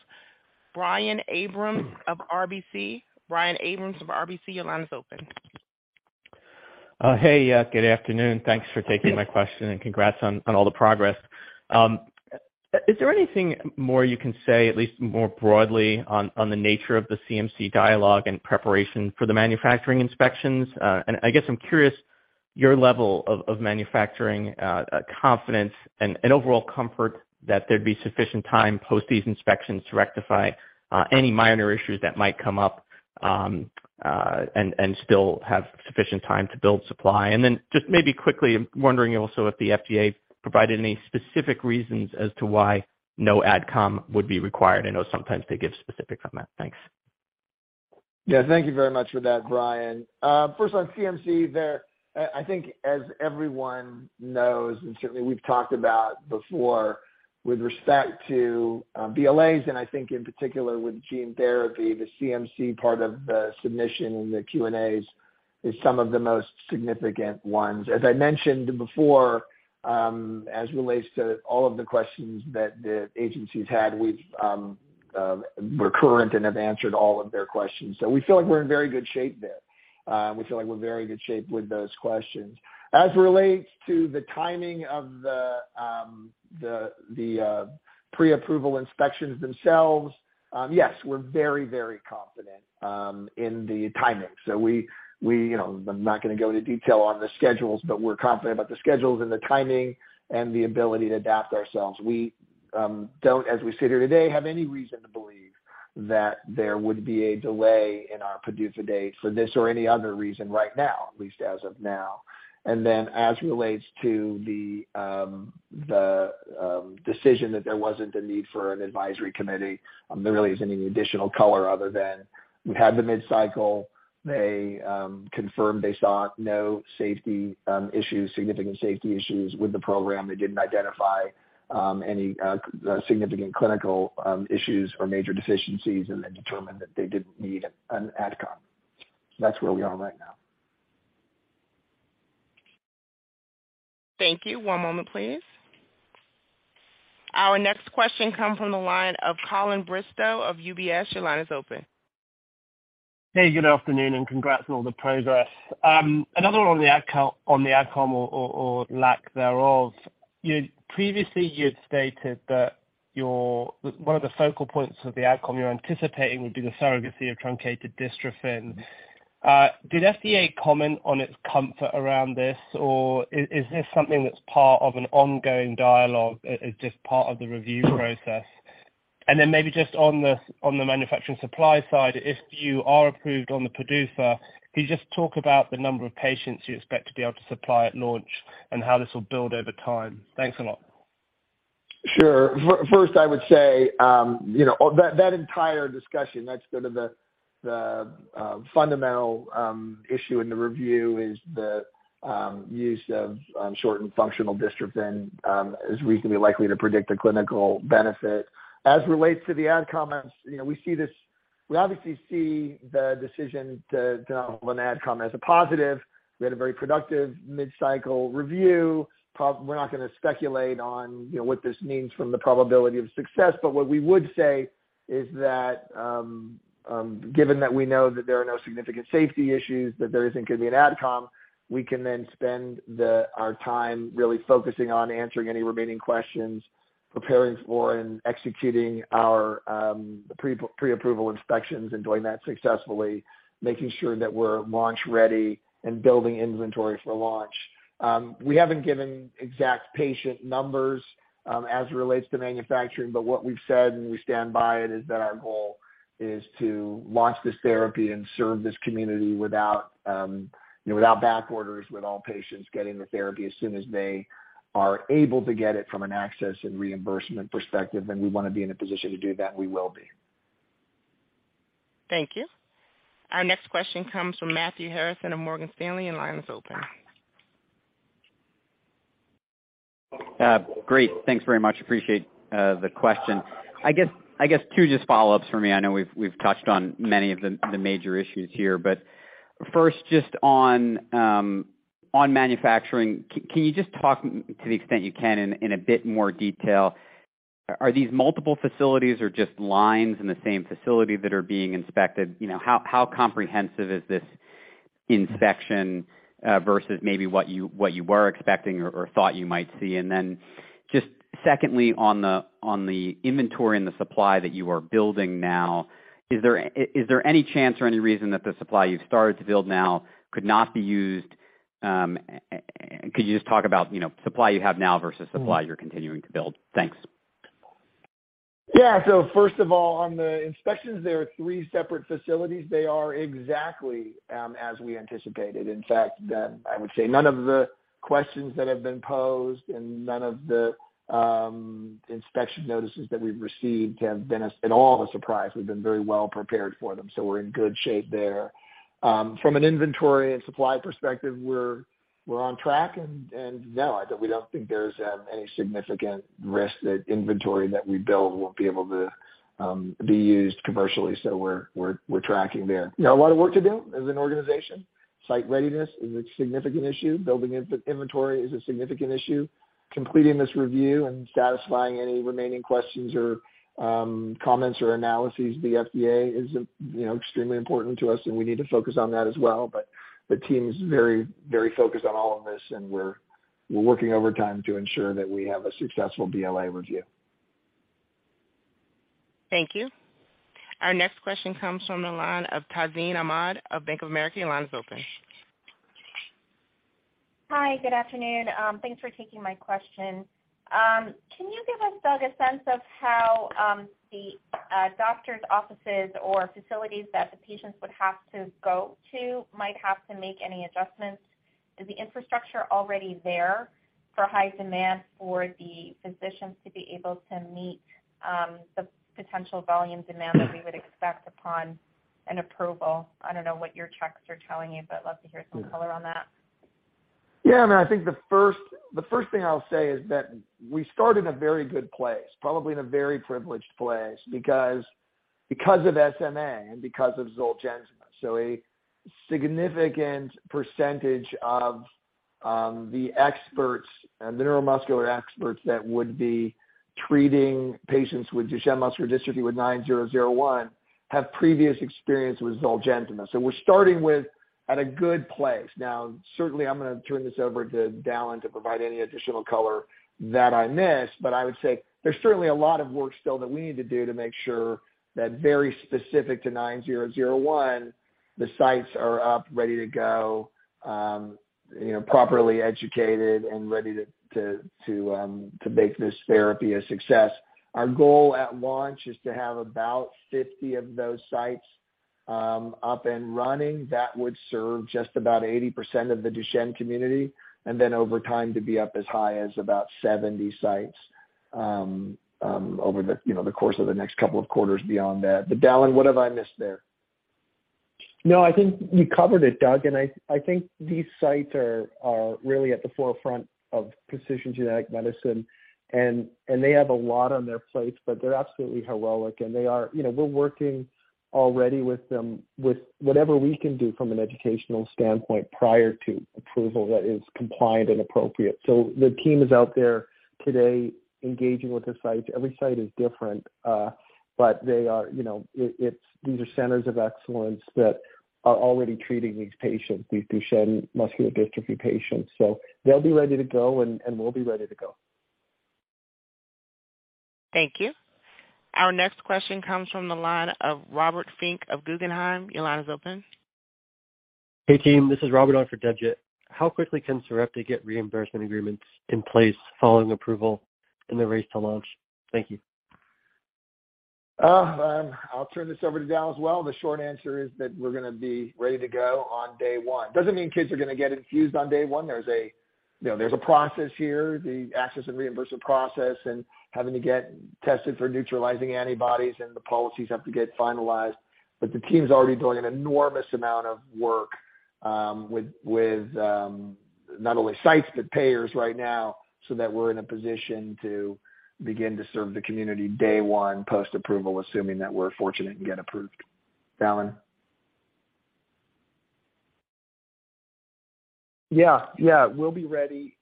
Brian Abrahams of RBC. Brian Abrahams of RBC, your line is open. Hey. Yeah, good afternoon. Thanks for taking my question. Congrats on all the progress. Is there anything more you can say, at least more broadly, on the nature of the CMC dialogue in preparation for the manufacturing inspections? I guess I'm curious, your level of manufacturing confidence and overall comfort that there'd be sufficient time post these inspections to rectify any minor issues that might come up and still have sufficient time to build supply. Just maybe quickly, I'm wondering also if the FDA provided any specific reasons as to why no ad com would be required. I know sometimes they give specific comment. Thanks. Thank you very much for that, Brian. First on CMC there, I think as everyone knows, and certainly we've talked about before with respect to BLAs and I think in particular with gene therapy, the CMC part of the submission and the Q&As is some of the most significant ones. As I mentioned before, as relates to all of the questions that the agencies had, we're current and have answered all of their questions. We feel like we're in very good shape there. We feel like we're in very good shape with those questions. As it relates to the timing of the pre-approval inspections themselves, yes, we're very, very confident in the timing. We, you know—I'm not gonna go into detail on the schedules, but we're confident about the schedules and the timing and the ability to adapt ourselves. We don't, as we sit here today, have any reason to believe that there would be a delay in our PDUFA date for this or any other reason right now, at least as of now. As relates to the decision that there wasn't a need for an advisory committee, there really isn't any additional color other than we had the mid-cycle. They confirmed they saw no safety issues, significant safety issues with the program. They didn't identify any significant clinical issues or major deficiencies and then determined that they didn't need an ad com. That's where we are right now. Thank you. One moment, please. Our next question comes from the line of Colin Bristow of UBS. Your line is open. Hey, good afternoon, and congrats on all the progress. Another one on the ad com or lack thereof. You know, previously you had stated that one of the focal points of the ad com you're anticipating would be the surrogacy of truncated dystrophin. Did FDA comment on its comfort around this? Or is this something that's part of an ongoing dialogue, as just part of the review process? Maybe just on the manufacturing supply side, if you are approved on the PDUFA, could you just talk about the number of patients you expect to be able to supply at launch and how this will build over time? Thanks a lot. Sure. First, I would say, you know, that entire discussion, that's sort of the fundamental issue in the review is the use of shortened functional dystrophin is reasonably likely to predict a clinical benefit. Relates to the ad comments, you know, we obviously see the decision to have an ad com as a positive. We had a very productive mid-cycle review. We're not gonna speculate on, you know, what this means from the probability of success. What we would say is that, given that we know that there are no significant safety issues, that there isn't going to be an ad com, we can then spend our time really focusing on answering any remaining questions, preparing for and executing our pre-approval inspections and doing that successfully, making sure that we're launch-ready and building inventory for launch. We haven't given exact patient numbers as it relates to manufacturing. What we've said, and we stand by it, is that our goal is to launch this therapy and serve this community without, you know, without back orders, with all patients getting the therapy as soon as they are able to get it from an access and reimbursement perspective. We wanna be in a position to do that, and we will be. Thank you. Our next question comes from Matthew Harrison of Morgan Stanley. Line is open. Great. Thanks very much. Appreciate the question. I guess two just follow-ups for me. I know we've touched on many of the major issues here. First, just on manufacturing. Can you just talk to the extent you can in a bit more detail, are these multiple facilities or just lines in the same facility that are being inspected? You know, how comprehensive is this inspection versus maybe what you were expecting or thought you might see? Then just secondly, on the inventory and the supply that you are building now, is there any chance or any reason that the supply you've started to build now could not be used? Could you just talk about, you know, supply you have now versus supply you're continuing to build? Thanks. Yeah. First of all, on the inspections, there are three separate facilities. They are exactly as we anticipated. In fact, I would say none of the questions that have been posed and none of the inspection notices that we've received have been at all a surprise. We've been very well prepared for them, so we're in good shape there. From an inventory and supply perspective, we're on track. And no, we don't think there's any significant risk that inventory that we build won't be able to be used commercially. We're tracking there. We got a lot of work to do as an organization. Site readiness is a significant issue. Building inventory is a significant issue. Completing this review and satisfying any remaining questions or comments or analyses of the FDA is, you know, extremely important to us, and we need to focus on that as well. The team is very, very focused on all of this, and we're working overtime to ensure that we have a successful BLA review. Thank you. Our next question comes from the line of Tazeen Ahmad of Bank of America. Your line is open. Hi, good afternoon. Thanks for taking my question. Can you give us, Doug, a sense of how the doctor's offices or facilities that the patients would have to go to might have to make any adjustments? Is the infrastructure already there for high demand for the physicians to be able to meet the potential volume demand that we would expect upon an approval? I don't know what your checks are telling you. Love to hear some color on that. Yeah. I mean, I think the first thing I'll say is that we start in a very good place, probably in a very privileged place because of SMA and because of Zolgensma. A significant percentage of the experts, the neuromuscular experts that would be treating patients with Duchenne muscular dystrophy with SRP-9001, have previous experience with Zolgensma. We're starting with at a good place. Now, certainly I'm gonna turn this over to Dallan to provide any additional color that I miss. I would say there's certainly a lot of work still that we need to do to make sure that, very specific to SRP-9001, the sites are up, ready to go, you know, properly educated and ready to make this therapy a success. Our goal at launch is to have about 50 of those sites, up and running. That would serve just about 80% of the Duchenne community, and then over time, to be up as high as about 70 sites, over the, you know, the course of the next couple of quarters beyond that. Dallan, what have I missed there? No, I think you covered it, Doug. I think these sites are really at the forefront of precision genetic medicine, and they have a lot on their plates, but they're absolutely heroic. You know, we're working already with them with whatever we can do from an educational standpoint prior to approval that is compliant and appropriate. The team is out there today engaging with the sites. Every site is different, but they are, you know, these are centers of excellence that are already treating these patients, these Duchenne muscular dystrophy patients. They'll be ready to go, and we'll be ready to go. Thank you. Our next question comes from the line of Robert Finke of Guggenheim. Your line is open. Hey, team, this is Robert on for Debjit. How quickly can Sarepta get reimbursement agreements in place following approval in the race to launch? Thank you. I'll turn this over to Dallan as well. The short answer is that we're gonna be ready to go on day one. Doesn't mean kids are gonna get infused on day one. There's a, you know, there's a process here, the access and reimbursement process and having to get tested for neutralizing antibodies, and the policies have to get finalized. The team's already doing an enormous amount of work with not only sites, but payers right now, so that we're in a position to begin to serve the community day one post-approval, assuming that we're fortunate and get approved. Dallan? Yeah. Yeah, we'll be ready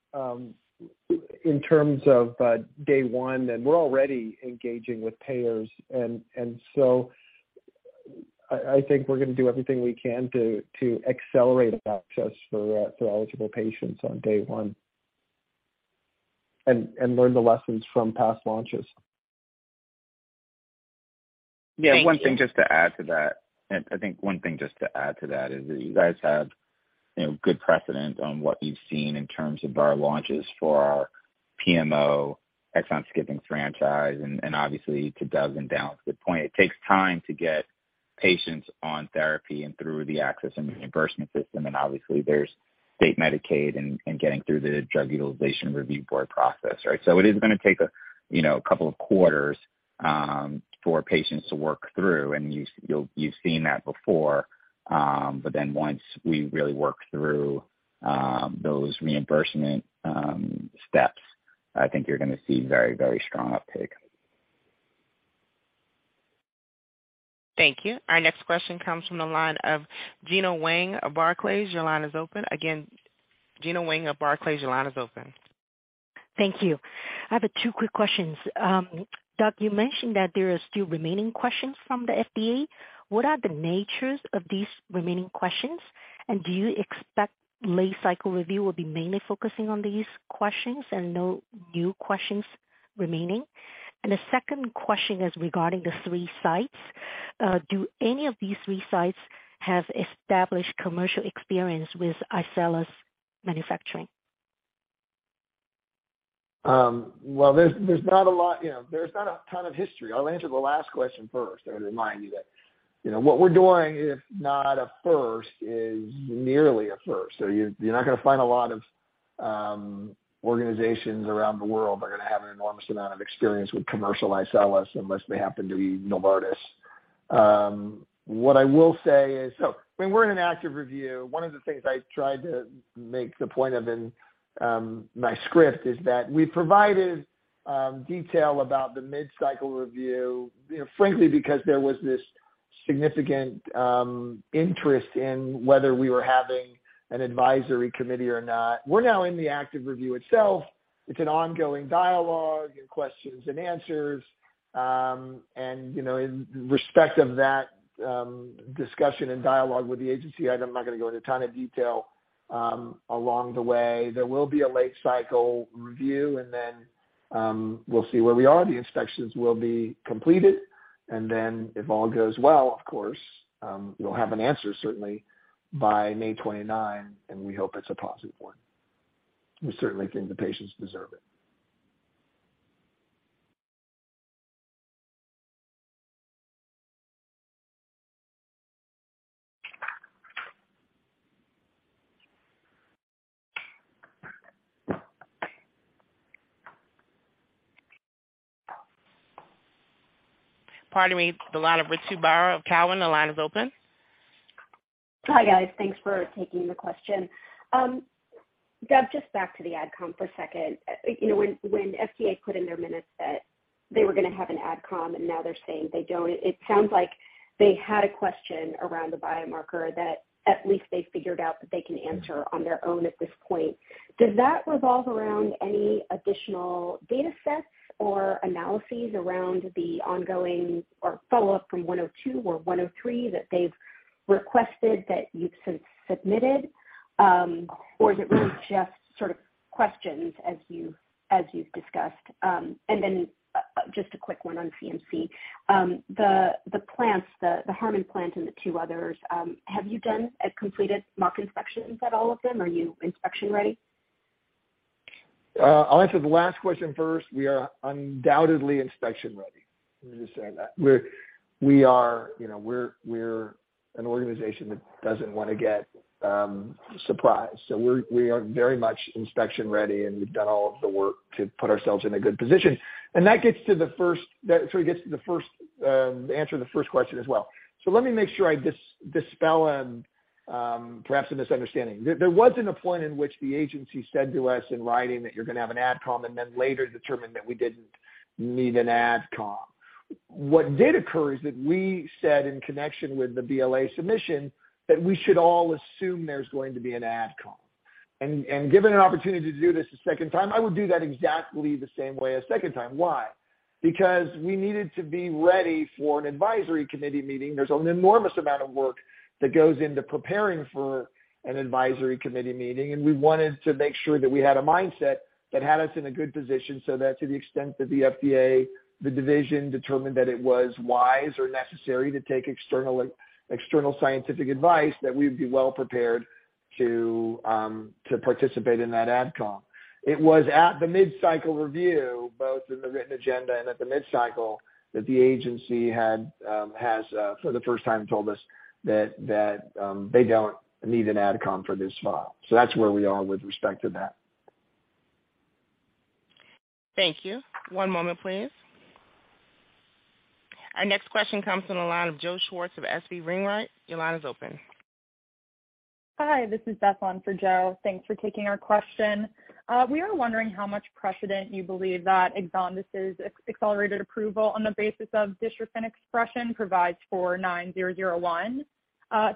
in terms of day one. We're already engaging with payers. So I think we're gonna do everything we can to accelerate access for eligible patients on day one. Learn the lessons from past launches. Thank you. Yeah, one thing just to add to that. I think one thing just to add to that is that you guys have, you know, good precedent on what you've seen in terms of our launches for our PMO exon-skipping franchise. Obviously, to Doug and Dallan's good point, it takes time to get patients on therapy and through the access and reimbursement system. Obviously, there's state Medicaid and getting through the Drug Utilization Review Board process, right? It is gonna take a, you know, couple of quarters for patients to work through. You've seen that before. Once we really work through those reimbursement steps, I think you're gonna see very, very strong uptake. Thank you. Our next question comes from the line of Gena Wang of Barclays. Your line is open. Again, Gena Wang of Barclays, your line is open. Thank you. I have two quick questions. Doug, you mentioned that there are still remaining questions from the FDA. What are the natures of these remaining questions, and do you expect late-cycle review will be mainly focusing on these questions and no new questions remaining? The second question is regarding the three sites. Do any of these three sites have established commercial experience with AAV manufacturing? Well, there's not a lot, you know, there's not a ton of history. I'll answer the last question first and remind you that, you know, what we're doing, if not a first, is nearly a first. You, you're not gonna find a lot of organizations around the world that are gonna have an enormous amount of experience with commercial AAV unless they happen to be Novartis. What I will say is when we're in an active review, one of the things I tried to make the point of in my script is that we provided detail about the mid-cycle review, you know, frankly, because there was this significant interest in whether we were having an advisory committee or not. We're now in the active review itself. It's an ongoing dialogue and questions and answers. You know, in respect of that discussion and dialogue with the agency, I'm not gonna go into a ton of detail along the way. There will be a late-cycle review, we'll see where we are. The inspections will be completed, if all goes well, of course, we'll have an answer certainly by May 29, and we hope it's a positive one. We certainly think the patients deserve it. Pardon me, the line of Ritu Baral of Cowen, the line is open. Hi, guys. Thanks for taking the question. Doug, just back to the AdCom for a second. You know, when FDA put in their minutes that they were gonna have an AdCom, now they're saying they don't, it sounds like they had a question around the biomarker that at least they figured out that they can answer on their own at this point. Does that revolve around any additional datasets or analyses around the ongoing or follow-up from 102 or 103 that they've requested that you've since submitted? Is it really just sort of questions as you, as you've discussed? Then just a quick one on CMC. The plants, the Harmans plant and the two others, have you done a completed mock inspections at all of them? Are you inspection-ready? I'll answer the last question first. We are undoubtedly inspection-ready. Let me just say that. We are, you know, we're an organization that doesn't wanna get surprised, so we're, we are very much inspection-ready, and we've done all of the work to put ourselves in a good position. That gets to the first. That sort of gets to the first answer to the first question as well. Let me make sure I dispel perhaps a misunderstanding. There wasn't a point in which the agency said to us in writing that you're gonna have an AdCom and then later determined that we didn't need an AdCom. What did occur is that we said in connection with the BLA submission that we should all assume there's going to be an AdCom. Given an opportunity to do this a second time, I would do that exactly the same way a second time. Why? Because we needed to be ready for an Advisory Committee meeting. There's an enormous amount of work that goes into preparing for an Advisory Committee meeting, and we wanted to make sure that we had a mindset that had us in a good position so that to the extent that the FDA, the division, determined that it was wise or necessary to take external scientific advice, that we would be well prepared to participate in that AdCom. It was at the mid-cycle review, both in the written agenda and at the mid-cycle, that the agency had has for the first time told us that they don't need an AdCom for this file. That's where we are with respect to that. Thank you. One moment please. Our next question comes from the line of Joseph Schwartz of SVB Leerink. Your line is open. Hi, this is Beth on for Joe. Thanks for taking our question. We are wondering how much precedent you believe that EXONDYS's Accelerated Approval on the basis of dystrophin expression provides for SRP-9001.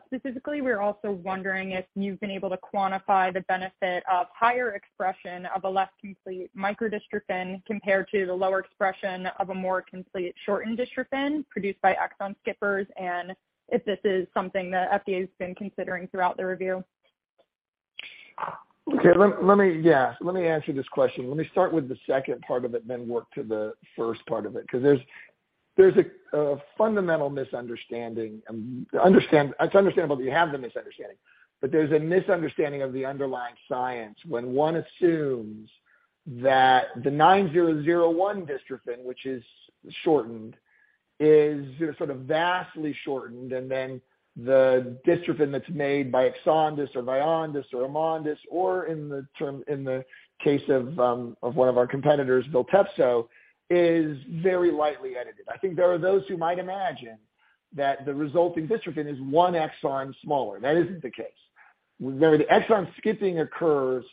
Specifically, we're also wondering if you've been able to quantify the benefit of higher expression of a less complete micro-dystrophin compared to the lower expression of a more complete shortened dystrophin produced by exon skippers, and if this is something that FDA's been considering throughout the review. Okay. Let me answer this question. Let me start with the second part of it, then work to the first part of it, because there's a fundamental misunderstanding. It's understandable that you have the misunderstanding, but there's a misunderstanding of the underlying science when one assumes that the SRP-9001 dystrophin, which is shortened, is sort of vastly shortened, and then the dystrophin that's made by EXONDYS or VYONDYS or AMONDYS or in the case of one of our competitors, VILTEPSO, is very lightly edited. I think there are those who might imagine that the resulting dystrophin is one exon smaller. That isn't the case. The exon skipping occurs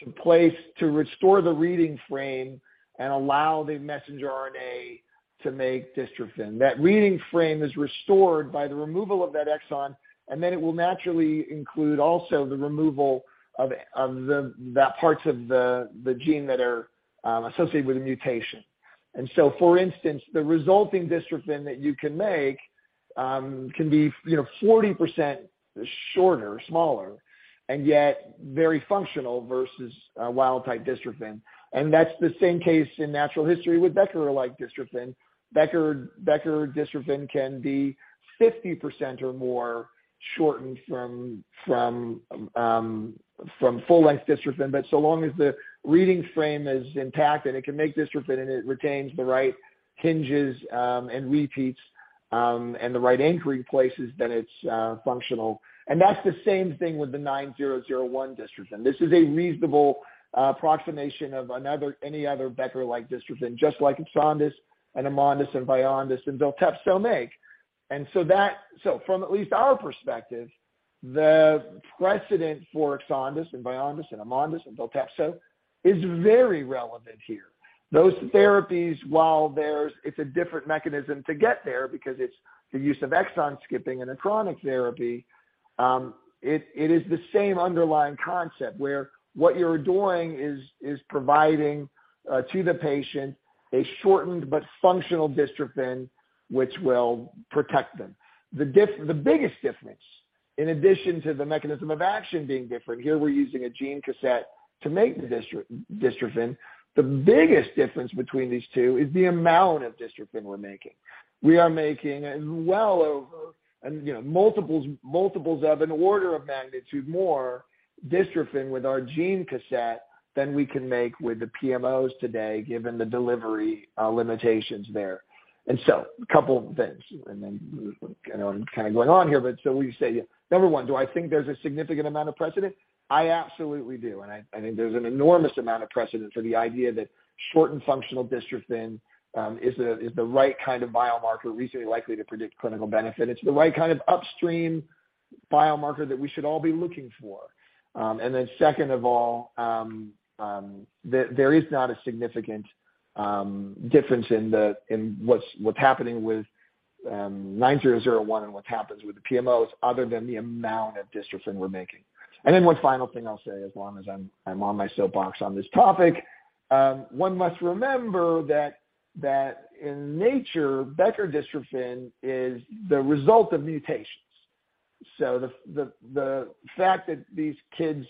to place, to restore the reading frame and allow the messenger RNA to make dystrophin. That reading frame is restored by the removal of that exon, then it will naturally include also the removal of the that parts of the gene that are associated with the mutation. For instance, the resulting dystrophin that you can make can be, you know, 40% shorter, smaller, and yet very functional versus wild type dystrophin. That's the same case in natural history with Becker-like dystrophin. Becker dystrophin can be 50% or more shortened from full-length dystrophin. So long as the reading frame is intact and it can make dystrophin and it retains the right hinges, and repeats, and the right anchoring places, then it's functional. That's the same thing with the SRP-9001 dystrophin. This is a reasonable approximation of any other Becker-like dystrophin, just like EXONDYS 51 and AMONDYS 45 and VYONDYS 53 and VILTEPSO make. From at least our perspective, the precedent for EXONDYS 51 and VYONDYS 53 and AMONDYS 45 and VILTEPSO is very relevant here. Those therapies, while it's a different mechanism to get there because it's the use of exon skipping and a chronic therapy, it is the same underlying concept where what you're doing is providing to the patient a shortened but functional dystrophin which will protect them. The biggest difference, in addition to the mechanism of action being different, here we're using a gene cassette to make the dystrophin. The biggest difference between these two is the amount of dystrophin we're making. We are making well over and, you know, multiples of an order of magnitude more dystrophin with our gene cassette than we can make with the PMOs today, given the delivery limitations there. A couple things, and then, you know, I'm kind of going on here, will you say, number one, do I think there's a significant amount of precedent? I absolutely do. I think there's an enormous amount of precedent for the idea that shortened functional dystrophin is the right kind of biomarker reasonably likely to predict clinical benefit. It's the right kind of upstream biomarker that we should all be looking for. Second of all, there is not a significant difference in what's happening with SRP-9001 and what happens with the PMOs other than the amount of dystrophin we're making. One final thing I'll say as long as I'm on my soapbox on this topic, one must remember that in nature, Becker dystrophin is the result of mutations. The fact that these kids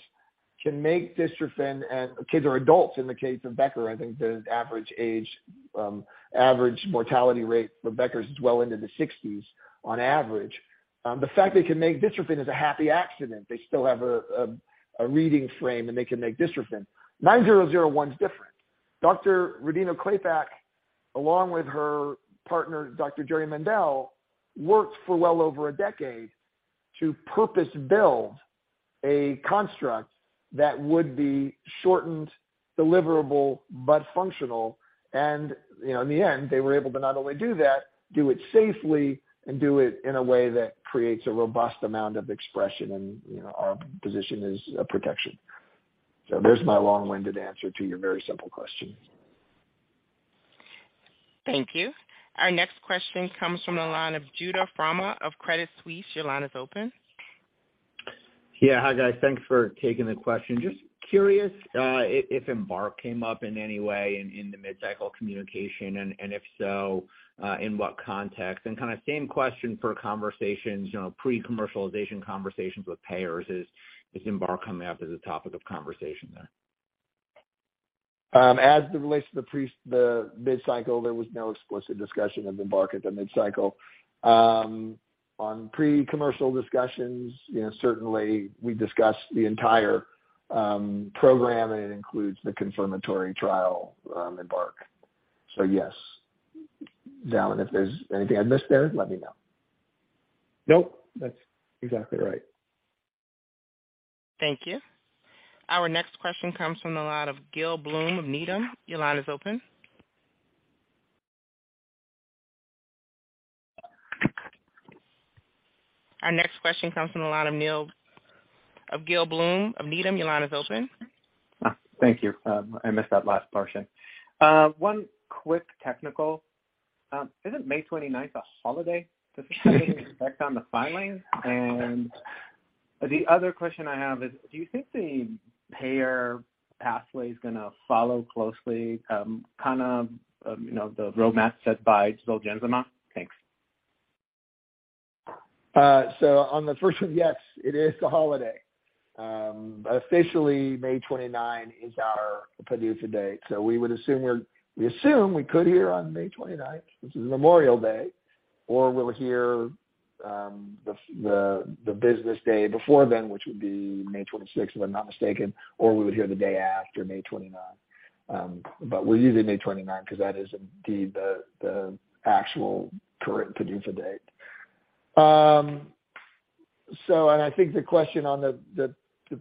can make dystrophin and—kids or adults in the case of Becker, I think the average age, average mortality rate for Becker is well into the 60s on average. The fact they can make dystrophin is a happy accident. They still have a reading frame, and they can make dystrophin. SRP-9001 is different. Dr. Rodino-Klapac, along with her partner, Dr. Jerry Mendell, worked for well over a decade to purpose build a construct that would be shortened, deliverable, but functional. You know, in the end, they were able to not only do that, do it safely, and do it in a way that creates a robust amount of expression. You know, our position is protection. There's my long-winded answer to your very simple question. Thank you. Our next question comes from the line of Judah Frommer of Credit Suisse. Your line is open. Yeah. Hi, guys. Thanks for taking the question. Just curious, if EMBARK came up in any way in the mid-cycle communication, and if so, in what context? Kinda same question for conversations, you know, pre-commercialization conversations with payers, is EMBARK coming up as a topic of conversation there? As it relates to the mid-cycle, there was no explicit discussion of EMBARK at the mid-cycle. On pre-commercial discussions, you know, certainly we discussed the entire program, and it includes the confirmatory trial, EMBARK. Yes. Zal, if there's anything I missed there, let me know. Nope. That's exactly right. Thank you. Our next question comes from the line of Gil Blum of Needham. Your line is open. Thank you. I missed that last portion. One quick technical. Isn't May 29th a holiday? Does it have any effect on the filings? The other question I have is, do you think the payer pathway is gonna follow closely, kinda, you know, the roadmap set by Zolgensma? Thanks. On the first one, yes, it is a holiday. Officially May 29th is our PDUFA date. We would assume we could hear on May 29th, which is Memorial Day, or we'll hear the business day before then, which would be May 26th, if I'm not mistaken, or we would hear the day after May 29th. But we're using May 29th because that is indeed the actual current PDUFA date. And I think the question on the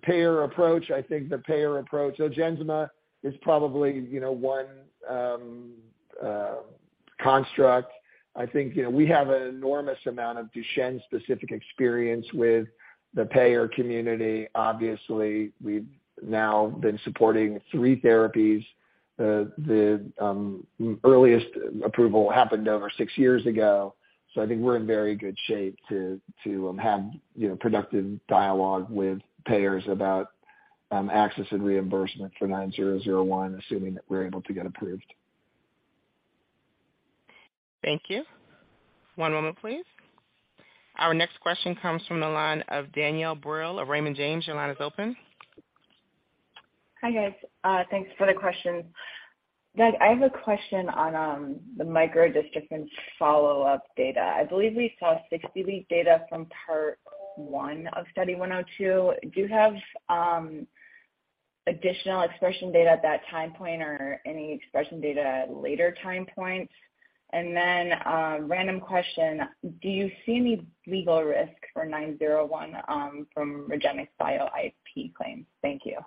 payer approach, the payer approach, Zolgensma is probably, you know, one construct. I think, you know, we have an enormous amount of Duchenne specific experience with the payer community. Obviously, we've now been supporting three therapies. The earliest approval happened over six years ago, so I think we're in very good shape to have, you know, productive dialogue with payers about access and reimbursement for 9001, assuming that we're able to get approved. Thank you. One moment, please. Our next question comes from the line of Danielle Brill of Raymond James. Your line is open. Hi, guys. Thanks for the question. Doug, I have a question on the micro-dystrophin follow-up data. I believe we saw 60-week data from Part 1 of Study 102. Do you have additional expression data at that time point or any expression data at later time points? Then, random question, do you see any legal risk for 901 from REGENXBIO IP claims? Thank you.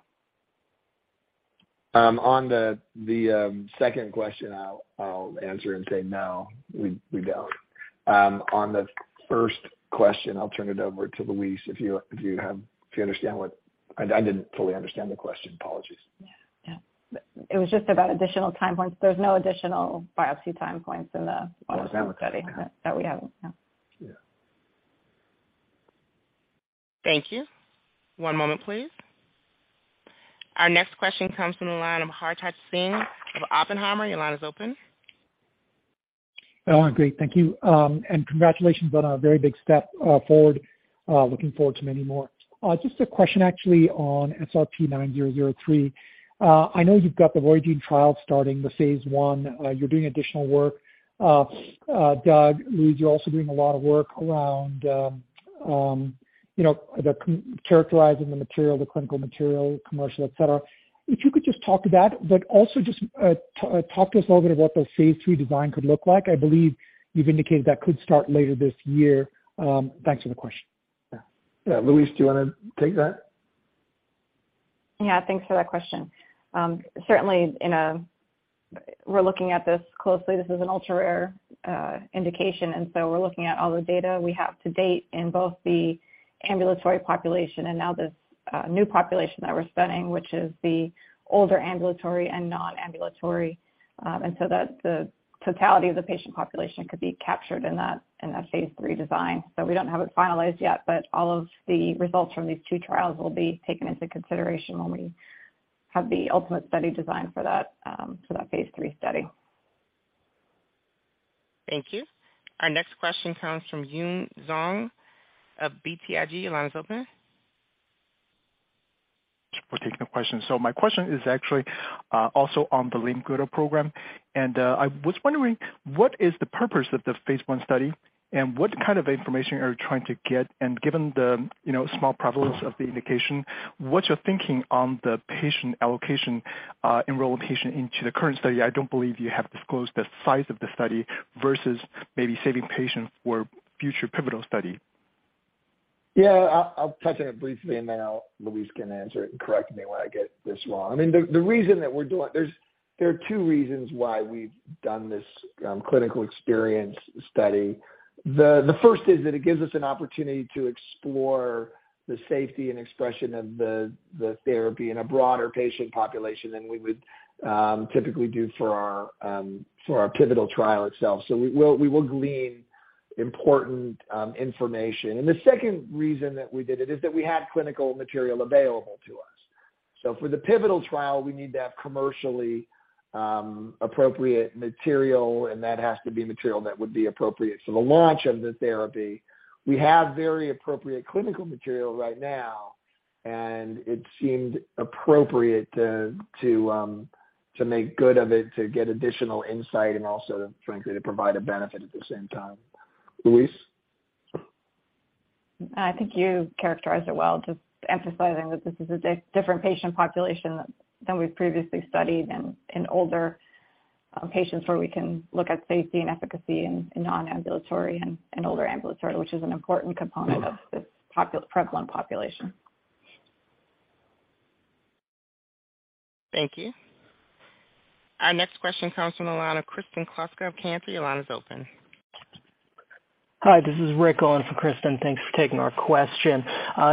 On the second question, I'll answer and say, no, we don't. On the first question, I'll turn it over to Louise, if you understand what. I didn't fully understand the question. Apologies. Yeah. Yeah. It was just about additional time points. There's no additional biopsy time points in the- Oh, is that what. study that we have. No. Yeah. Thank you. One moment, please. Our next question comes from the line of Hartaj Singh of Oppenheimer. Your line is open. Oh, great. Thank you. And congratulations on a very big step forward. Looking forward to many more. Just a question actually on SRP-9003. I know you've got the VOYAGENE trial starting the phase I. You're doing additional work. Doug, Louise, you're also doing a lot of work around, you know, characterizing the material, the clinical material, commercial, et cetera. If you could just talk to that, but also just talk to us a little bit what the phase III design could look like. I believe you've indicated that could start later this year. Thanks for the question. Yeah. Yeah. Louise, do you wanna take that? Yeah. Thanks for that question. We're looking at this closely. This is an ultra-rare indication, and so we're looking at all the data we have to date in both the ambulatory population and now this new population that we're studying, which is the older ambulatory and non-ambulatory. The totality of the patient population could be captured in that, in that phase III design. We don't have it finalized yet, but all of the results from these two trials will be taken into consideration when we have the ultimate study design for that, for that phase III study. Thank you. Our next question comes from Yun Zhong of BTIG. Your line is open. For taking the question. My question is actually, also on the limb girdle program. I was wondering what is the purpose of the phase I study and what kind of information are you trying to get? Given the, you know, small prevalence of the indication, what's your thinking on the patient allocation, enroll patient into the current study? I don't believe you have disclosed the size of the study versus maybe saving patients for future pivotal study. Yeah. I'll touch on it briefly and then I'll Louise can answer it and correct me when I get this wrong. I mean, the reason that we're doing. There are two reasons why we've done this clinical experience study. The first is that it gives us an opportunity to explore the safety and expression of the therapy in a broader patient population than we would typically do for our for our pivotal trial itself. We will glean important information. The second reason that we did it is that we had clinical material available to us. For the pivotal trial, we need to have commercially appropriate material, and that has to be material that would be appropriate for the launch of the therapy. We have very appropriate clinical material right now, it seemed appropriate to make good of it, to get additional insight and also frankly, to provide a benefit at the same time. Louise? I think you characterized it well, just emphasizing that this is a different patient population than we've previously studied in older patients where we can look at safety and efficacy in non-ambulatory and older ambulatory, which is an important component of this prevalent population. Thank you. Our next question comes from the line of Kristen Kluska of Cantor Fitzgerald. Your line is open. Hi, this is Rick on for Kristen. Thanks for taking our question.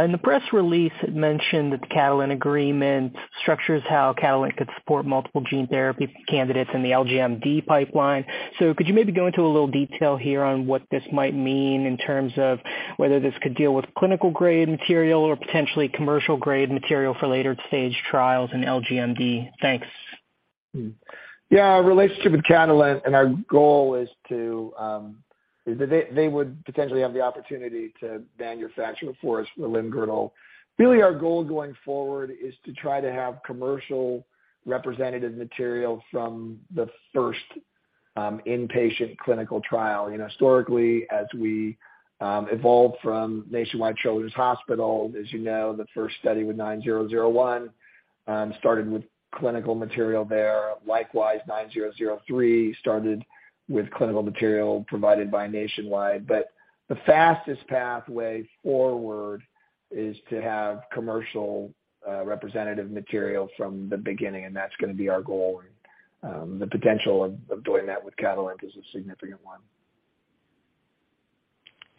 In the press release, it mentioned that the Catalent agreement structures how Catalent could support multiple gene therapy candidates in the LGMD pipeline. Could you maybe go into a little detail here on what this might mean in terms of whether this could deal with clinical grade material or potentially commercial grade material for later stage trials in LGMD? Thanks. Our relationship with Catalent and our goal is that they would potentially have the opportunity to manufacture for us the limb girdle. Our goal going forward is to try to have commercial representative material from the first inpatient clinical trial. You know, historically, as we evolved from Nationwide Children's Hospital, as you know, the first study with 9001 started with clinical material there. Likewise, 9003 started with clinical material provided by Nationwide. The fastest pathway forward is to have commercial representative material from the beginning, and that's gonna be our goal. The potential of doing that with Catalent is a significant one.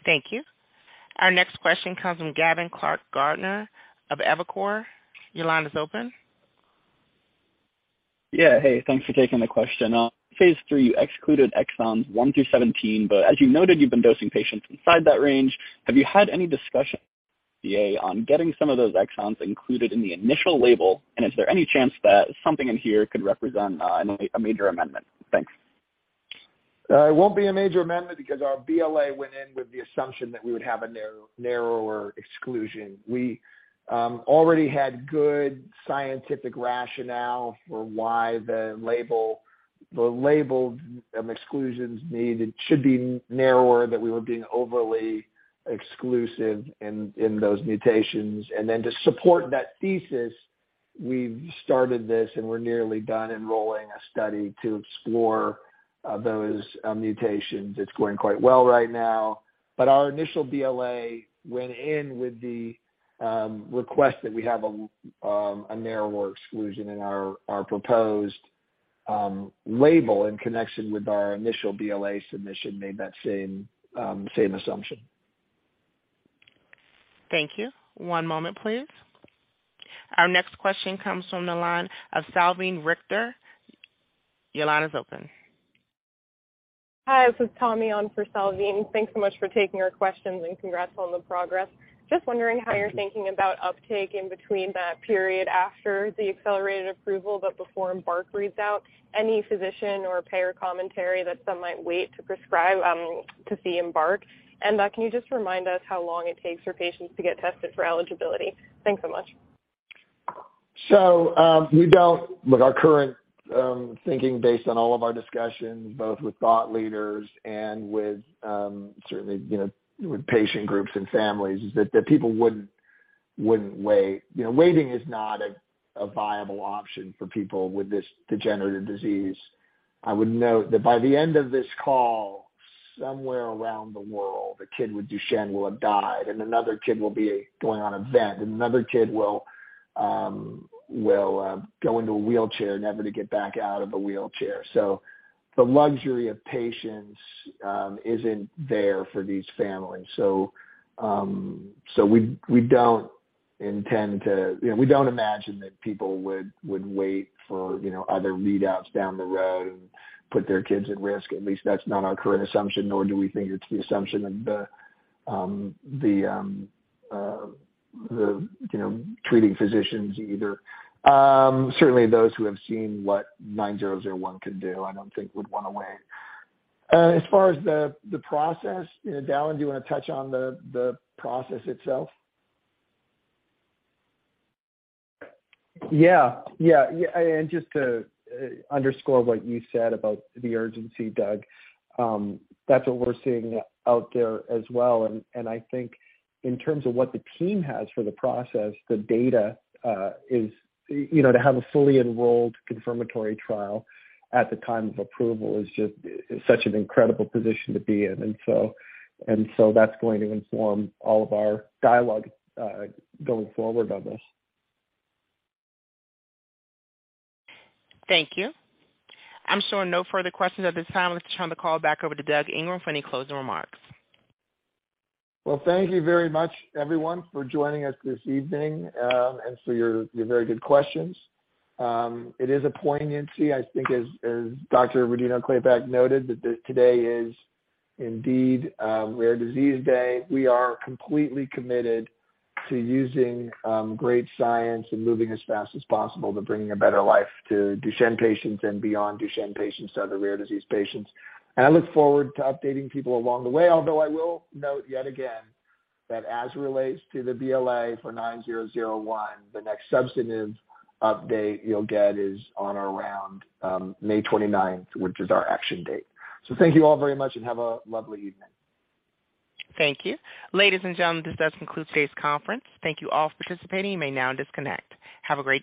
Thank you. Our next question comes from Gavin Clark-Gartner of Evercore. Your line is open. Yeah. Hey, thanks for taking the question. phase III, you excluded exons 1 through 17, but as you noted, you've been dosing patients inside that range. Have you had any discussion on getting some of those exons included in the initial label? Is there any chance that something in here could represent a major amendment? Thanks. It won't be a major amendment because our BLA went in with the assumption that we would have a narrower exclusion. We already had good scientific rationale for why the label exclusions needed should be narrower, that we were being overly exclusive in those mutations. To support that thesis, we've started this, and we're nearly done enrolling a study to explore those mutations. It's going quite well right now, but our initial BLA went in with the request that we have a narrower exclusion in our proposed label in connection with our initial BLA submission made that same assumption. Thank you. One moment, please. Our next question comes from the line of Salveen Richter. Your line is open. Hi, this is Tami on for Salveen. Thanks so much for taking our questions, and congrats on the progress. Just wondering how you're thinking about uptake in between that period after the Accelerated Approval but before EMBARK reads out. Any physician or payer commentary that some might wait to prescribe, to see EMBARK. Can you just remind us how long it takes for patients to get tested for eligibility? Thanks so much. With our current thinking based on all of our discussions, both with thought leaders and with, certainly, you know, with patient groups and families, is that people wouldn't wait. You know, waiting is not a viable option for people with this degenerative disease. I would note that by the end of this call, somewhere around the world, a kid with Duchenne will have died and another kid will be going on a vent and another kid will go into a wheelchair, never to get back out of a wheelchair. The luxury of patience isn't there for these families. We don't intend to. You know, we don't imagine that people would wait for, you know, other readouts down the road and put their kids at risk. At least that's not our current assumption, nor do we think it's the assumption of the, you know, treating physicians either. Certainly those who have seen what SRP-9001 can do, I don't think would wanna wait. As far as the process, you know, Dallan, do you wanna touch on the process itself? Yeah. Yeah. just to underscore what you said about the urgency, Doug, that's what we're seeing out there as well. I think in terms of what the team has for the process, the data is, you know, to have a fully enrolled confirmatory trial at the time of approval is such an incredible position to be in. that's going to inform all of our dialogue going forward on this. Thank you. I'm showing no further questions at this time. Let's turn the call back over to Doug Ingram for any closing remarks. Thank you very much, everyone, for joining us this evening, and for your very good questions. It is a poignancy, I think, as Dr. Rodino-Klapac noted, that today is indeed Rare Disease Day. We are completely committed to using great science and moving as fast as possible to bringing a better life to Duchenne patients and beyond Duchenne patients to other rare disease patients. I look forward to updating people along the way. Although I will note yet again that as it relates to the BLA for SRP-9001, the next substantive update you'll get is on or around May 29th, which is our action date. Thank you all very much and have a lovely evening. Thank you. Ladies and gentlemen, this does conclude today's conference. Thank you all for participating. You may now disconnect. Have a great day.